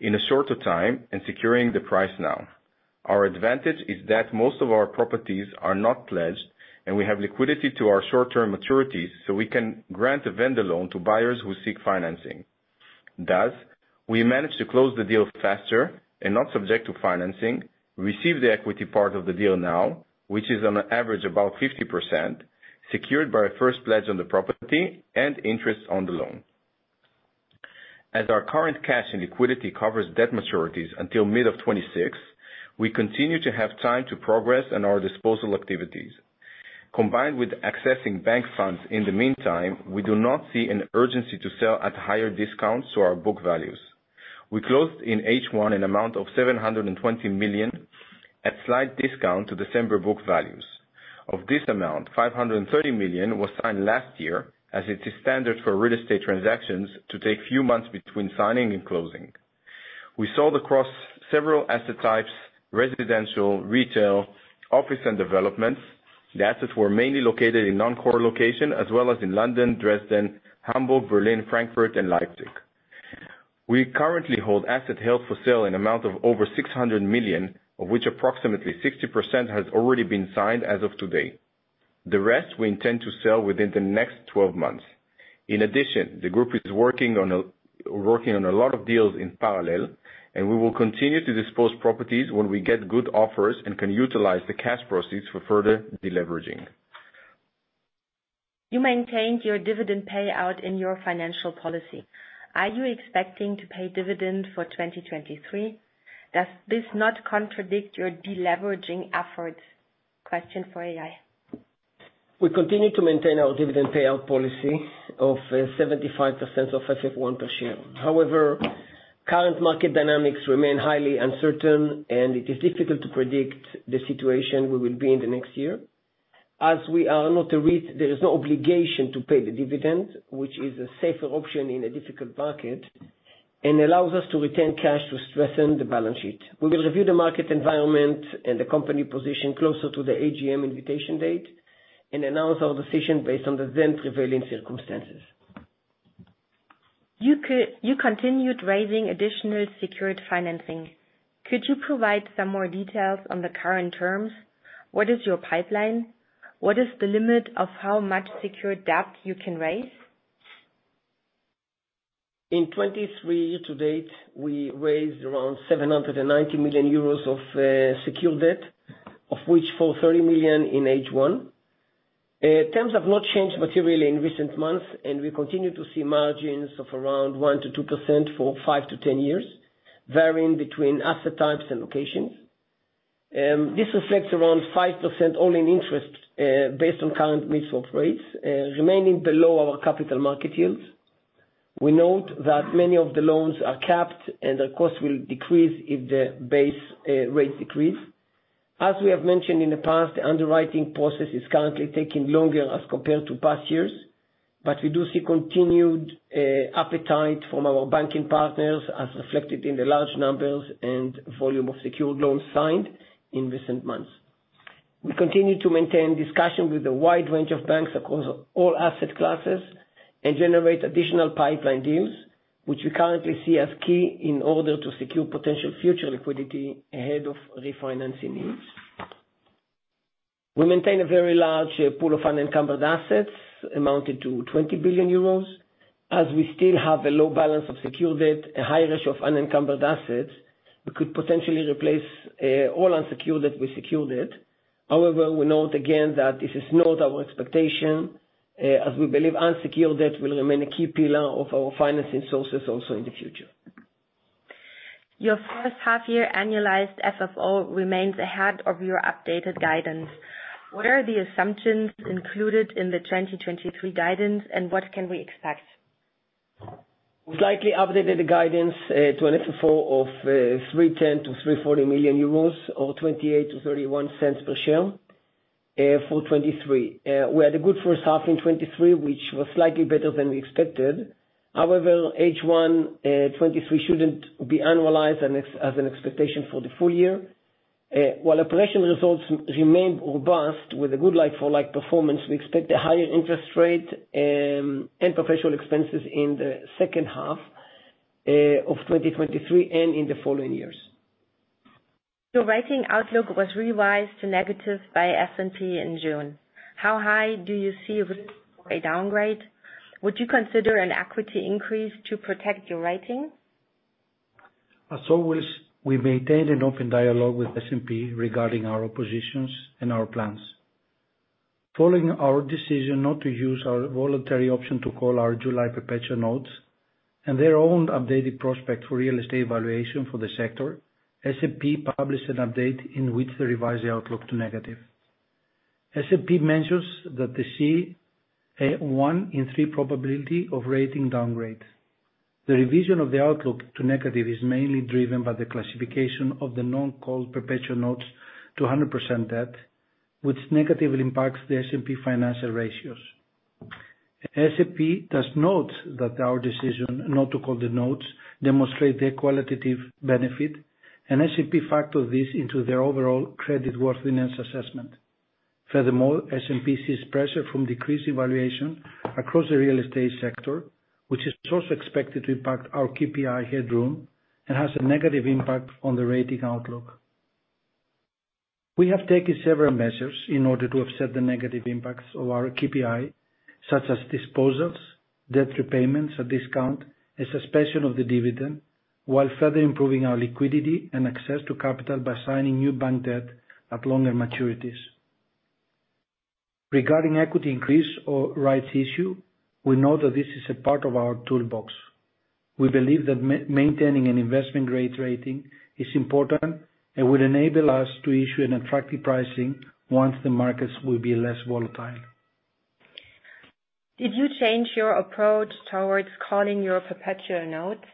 in a shorter time and securing the price now. Our advantage is that most of our properties are not pledged, and we have liquidity to our short-term maturities, so we can grant a vendor loan to buyers who seek financing. Thus, we managed to close the deal faster and not subject to financing, receive the equity part of the deal now, which is on average about 50%, secured by a first pledge on the property and interest on the loan. As our current cash and liquidity covers debt maturities until mid-2026, we continue to have time to progress on our disposal activities. Combined with accessing bank funds, in the meantime, we do not see an urgency to sell at higher discounts to our book values. We closed in H1 an amount of 720 million, at slight discount to December book values. Of this amount, 530 million was signed last year, as it is standard for real estate transactions to take few months between signing and closing. We sold across several asset types, residential, retail, office, and developments. The assets were mainly located in non-core location, as well as in London, Dresden, Hamburg, Berlin, Frankfurt, and Leipzig. We currently hold asset held for sale in amount of over 600 million, of which approximately 60% has already been signed as of today. The rest we intend to sell within the next 12 months. In addition, the group is working on a lot of deals in parallel, and we will continue to dispose properties when we get good offers and can utilize the cash proceeds for further deleveraging. You maintained your dividend payout in your financial policy. Are you expecting to pay dividend for 2023? Does this not contradict your deleveraging efforts? Question for Eyal. We continue to maintain our dividend payout policy of 75% of FFO I per share. However, current market dynamics remain highly uncertain, and it is difficult to predict the situation we will be in the next year. As we are not a REIT, there is no obligation to pay the dividend, which is a safer option in a difficult market, and allows us to retain cash to strengthen the balance sheet. We will review the market environment and the company position closer to the AGM invitation date, and announce our decision based on the then prevailing circumstances. You continued raising additional secured financing. Could you provide some more details on the current terms? What is your pipeline? What is the limit of how much secured debt you can raise? In 2023, to date, we raised around 790 million euros of secured debt, of which 430 million in H1. Terms have not changed materially in recent months, and we continue to see margins of around 1%-2% for 5 years-10 years, varying between asset types and locations. This reflects around 5% all-in interest, based on current mid-swap rates, remaining below our capital market yields. We note that many of the loans are capped, and the cost will decrease if the base rates decrease. As we have mentioned in the past, the underwriting process is currently taking longer as compared to past years, but we do see continued appetite from our banking partners, as reflected in the large numbers and volume of secured loans signed in recent months. We continue to maintain discussions with a wide range of banks across all asset classes, and generate additional pipeline deals, which we currently see as key in order to secure potential future liquidity ahead of refinancing needs. We maintain a very large pool of unencumbered assets, amounting to 20 billion euros. As we still have a low balance of secured debt, a high ratio of unencumbered assets, we could potentially replace all unsecured debt with secured debt. However, we note again that this is not our expectation, as we believe unsecured debt will remain a key pillar of our financing sources also in the future. Your first half year annualized FFO remains ahead of your updated guidance. What are the assumptions included in the 2023 guidance, and what can we expect? We've likely updated the guidance to an FFO of 310 million-340 million euros, or 0.28-0.31 per share, for 2023. We had a good first half in 2023, which was slightly better than we expected. However, H1 2023 shouldn't be annualized as an expectation for the full year. While operational results remain robust with a good like-for-like performance, we expect a higher interest rate and professional expenses in the second half of 2023, and in the following years. Your rating outlook was revised to negative by S&P in June. How high do you see a downgrade? Would you consider an equity increase to protect your rating? As always, we maintain an open dialogue with S&P regarding our operations and our plans. Following our decision not to use our voluntary option to call our July perpetual notes, and their own updated prospects for real estate valuation for the sector, S&P published an update in which they revised the outlook to negative. S&P mentions that they see a one in three probability of rating downgrade. The revision of the outlook to negative is mainly driven by the classification of the non-called perpetual notes to 100% debt, which negatively impacts the S&P financial ratios. S&P does note that our decision not to call the notes demonstrate the qualitative benefit, and S&P factored this into their overall creditworthiness assessment. Furthermore, S&P sees pressure from decreasing valuation across the real estate sector, which is also expected to impact our KPI headroom and has a negative impact on the rating outlook.... We have taken several measures in order to offset the negative impacts of our KPI, such as disposals, debt repayments, a discount, a suspension of the dividend, while further improving our liquidity and access to capital by signing new bank debt at longer maturities. Regarding equity increase or rights issue, we know that this is a part of our toolbox. We believe that maintaining an investment grade rating is important and would enable us to issue an attractive pricing once the markets will be less volatile. Did you change your approach towards calling your Perpetual Notes?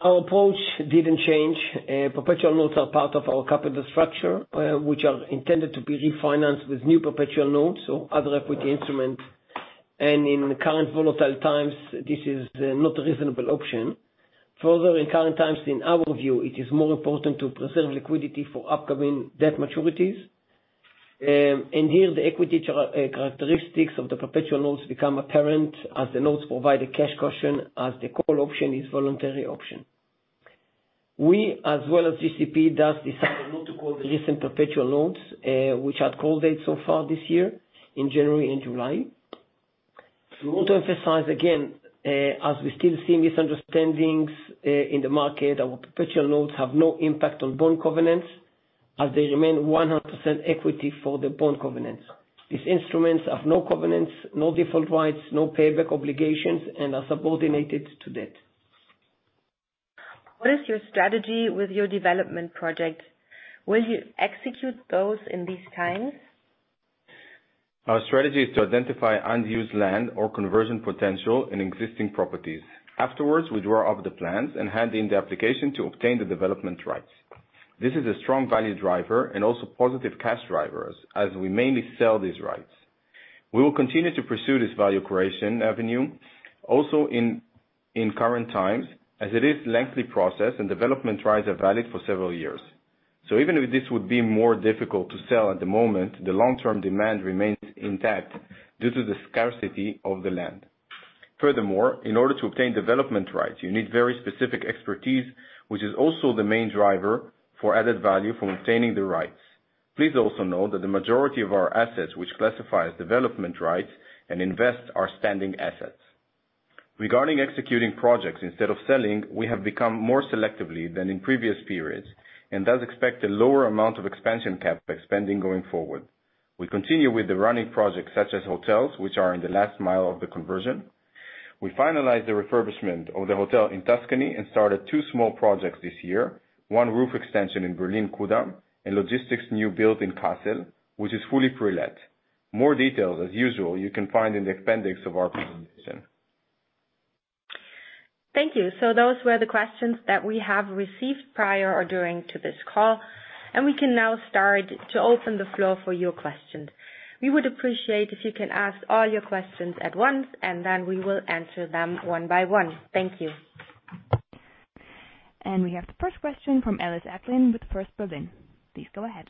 Our approach didn't change. Perpetual notes are part of our capital structure, which are intended to be refinanced with new perpetual notes or other equity instruments. In the current volatile times, this is not a reasonable option. Further, in current times, in our view, it is more important to preserve liquidity for upcoming debt maturities. Here, the equity characteristics of the perpetual notes become apparent, as the notes provide a cash cushion, as the call option is voluntary option. We, as well as GCP, thus decided not to call the recent perpetual notes, which had call date so far this year in January and July. We want to emphasize again, as we still see misunderstandings in the market, our perpetual notes have no impact on bond covenants, as they remain 100% equity for the bond covenants. These instruments have no covenants, no default rights, no payback obligations, and are subordinated to debt. What is your strategy with your development project? Will you execute those in these times? Our strategy is to identify unused land or conversion potential in existing properties. Afterwards, we draw up the plans and hand in the application to obtain the development rights. This is a strong value driver and also positive cash drivers, as we mainly sell these rights. We will continue to pursue this value creation avenue also in current times, as it is lengthy process, and development rights are valid for several years. So even if this would be more difficult to sell at the moment, the long-term demand remains intact due to the scarcity of the land. Furthermore, in order to obtain development rights, you need very specific expertise, which is also the main driver for added value from obtaining the rights. Please also know that the majority of our assets, which classify as development rights and invest, are standing assets. Regarding executing projects, instead of selling, we have become more selectively than in previous periods, and thus expect a lower amount of expansion CapEx spending going forward. We continue with the running projects such as hotels, which are in the last mile of the conversion. We finalized the refurbishment of the hotel in Tuscany and started two small projects this year, one roof extension in Berlin, Kudamm, and logistics new build in Kassel, which is fully pre-let. More details, as usual, you can find in the appendix of our presentation. Thank you. So those were the questions that we have received prior to or during this call, and we can now start to open the floor for your questions. We would appreciate if you can ask all your questions at once, and then we will answer them one by one. Thank you. We have the first question from Ellis Acklin with First Berlin. Please go ahead.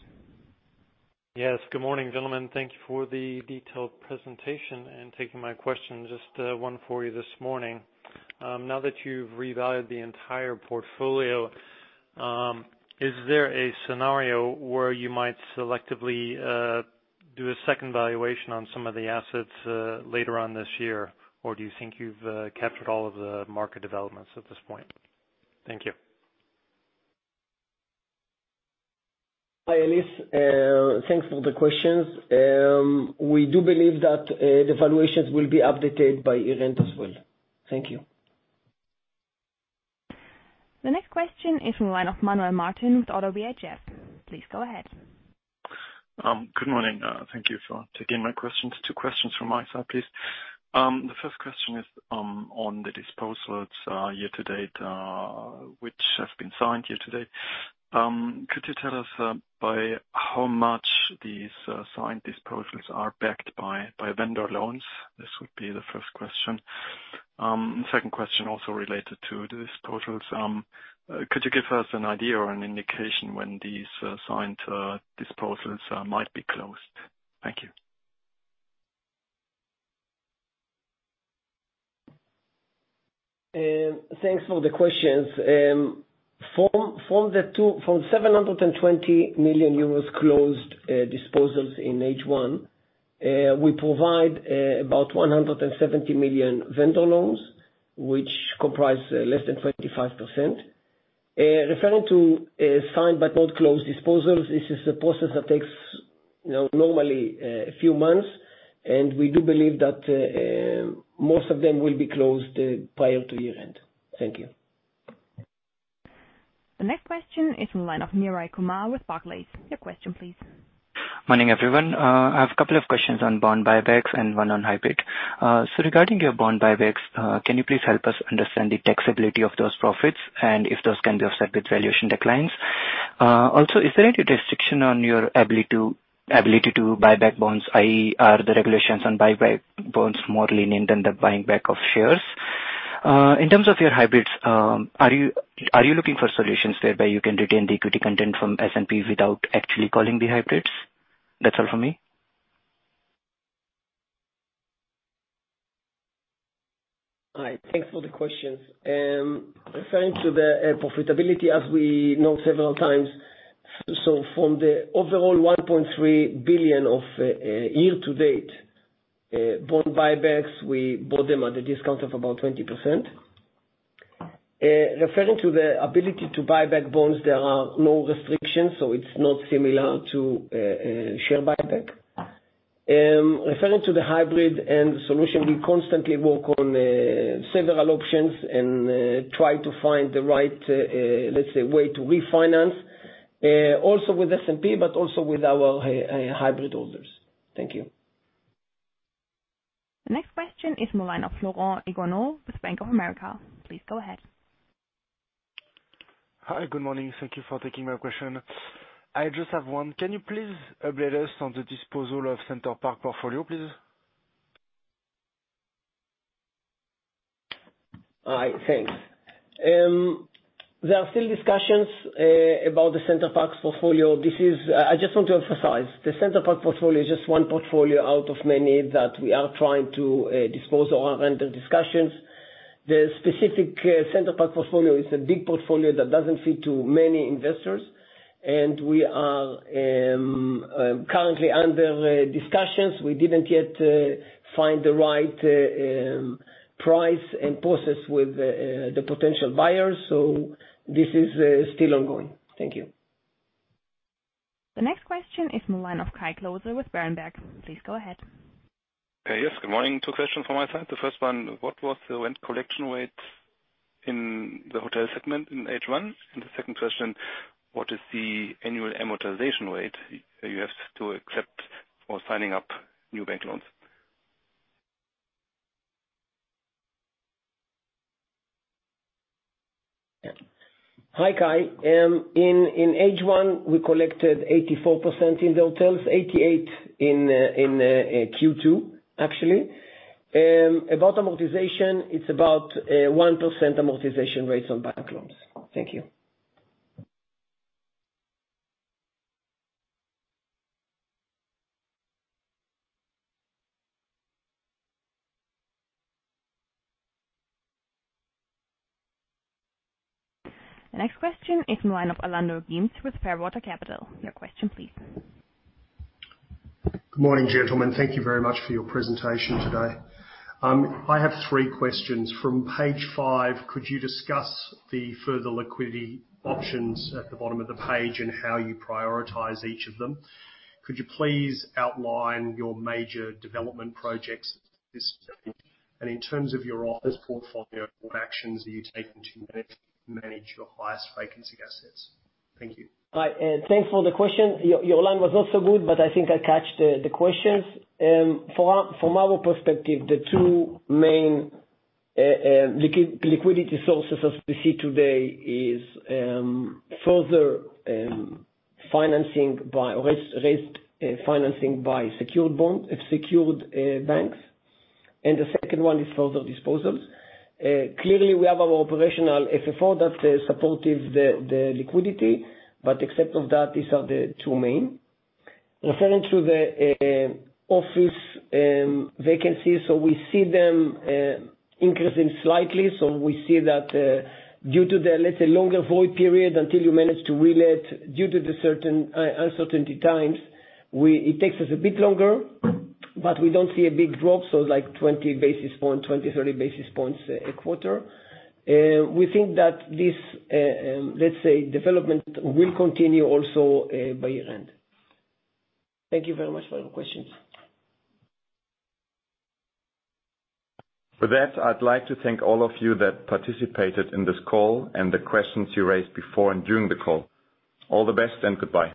Yes. Good morning, gentlemen. Thank you for the detailed presentation and taking my question. Just, one for you this morning. Now that you've revalued the entire portfolio, is there a scenario where you might selectively, do a second valuation on some of the assets, later on this year? Or do you think you've, captured all of the market developments at this point? Thank you. Hi, Ellis, thanks for the questions. We do believe that the valuations will be updated by year-end as well. Thank you. The next question is from the line of Manuel Martin with ODDO BHF. Please go ahead. Good morning. Thank you for taking my questions. Two questions from my side, please. The first question is, on the disposals, year to date, which have been signed year to date. Could you tell us, by how much these, signed disposals are backed by, by vendor loans? This would be the first question. Second question, also related to the disposals. Could you give us an idea or an indication when these, signed, disposals, might be closed? Thank you. Thanks for the questions. From 720 million euros closed disposals in H1, we provide about 170 million vendor loans, which comprise less than 25%. Referring to signed but not closed disposals, this is a process that takes, you know, normally a few months, and we do believe that most of them will be closed prior to year-end. Thank you. The next question is from the line of Neeraj Kumar with Barclays. Your question, please. Morning, everyone. I have a couple of questions on bond buybacks and one on hybrid. So regarding your bond buybacks, can you please help us understand the taxability of those profits, and if those can be offset with valuation declines? Also, is there any restriction on your ability to buy back bonds, i.e., are the regulations on buyback bonds more lenient than the buying back of shares? In terms of your hybrids, are you looking for solutions whereby you can retain the equity content from S&P without actually calling the hybrids? That's all from me.... Thanks for the questions. Referring to the profitability, as we know several times, so from the overall 1.3 billion of year to date bond buybacks, we bought them at a discount of about 20%. Referring to the ability to buy back bonds, there are no restrictions, so it's not similar to share buyback. Referring to the hybrid and solution, we constantly work on several options and try to find the right, let's say, way to refinance, also with S&P, but also with our hybrid holders. Thank you. The next question is the line of Florent Eono with Bank of America. Please go ahead. Hi, good morning. Thank you for taking my question. I just have one. Can you please update us on the disposal of Center Parcs portfolio, please? Hi, thanks. There are still discussions about the Center Parcs portfolio. This is- I just want to emphasize, the Center Parcs portfolio is just one portfolio out of many that we are trying to dispose or under discussions. The specific Center Parcs portfolio is a big portfolio that doesn't fit to many investors, and we are currently under discussions. We didn't yet find the right price and process with the potential buyers, so this is still ongoing. Thank you. The next question is the line of Kai Klose with Berenberg. Please go ahead. Yes, good morning. Two questions from my side. The first one, what was the rent collection rate in the hotel segment in H1? And the second question, what is the annual amortization rate you have to accept for signing up new bank loans? Hi, Kai. In H1, we collected 84% in the hotels, 88% in Q2, actually. About amortization, it's about 1% amortization rates on bank loans. Thank you. The next question is the line of Orlando Gemes with Fairwater Capital. Your question, please. Good morning, gentlemen. Thank you very much for your presentation today. I have three questions. From page five, could you discuss the further liquidity options at the bottom of the page and how you prioritize each of them? Could you please outline your major development projects? And in terms of your office portfolio, what actions are you taking to manage your highest vacancy assets? Thank you. Hi, thanks for the question. Your line was not so good, but I think I caught the questions. From our perspective, the two main liquidity sources as we see today is further financing by raised secured bonds, secured banks. And the second one is further disposals. Clearly, we have our operational FFO that supportive the liquidity, but except of that, these are the two main. Referring to the office vacancies, so we see them increasing slightly. So we see that due to the, let's say, longer void period until you manage to relet, due to the certain uncertainty times, it takes us a bit longer, but we don't see a big drop, so like 20 basis points, 20 basis points-30 basis points a quarter. We think that this, let's say, development will continue also by year end. Thank you very much for your questions. With that, I'd like to thank all of you that participated in this call and the questions you raised before and during the call. All the best, and goodbye.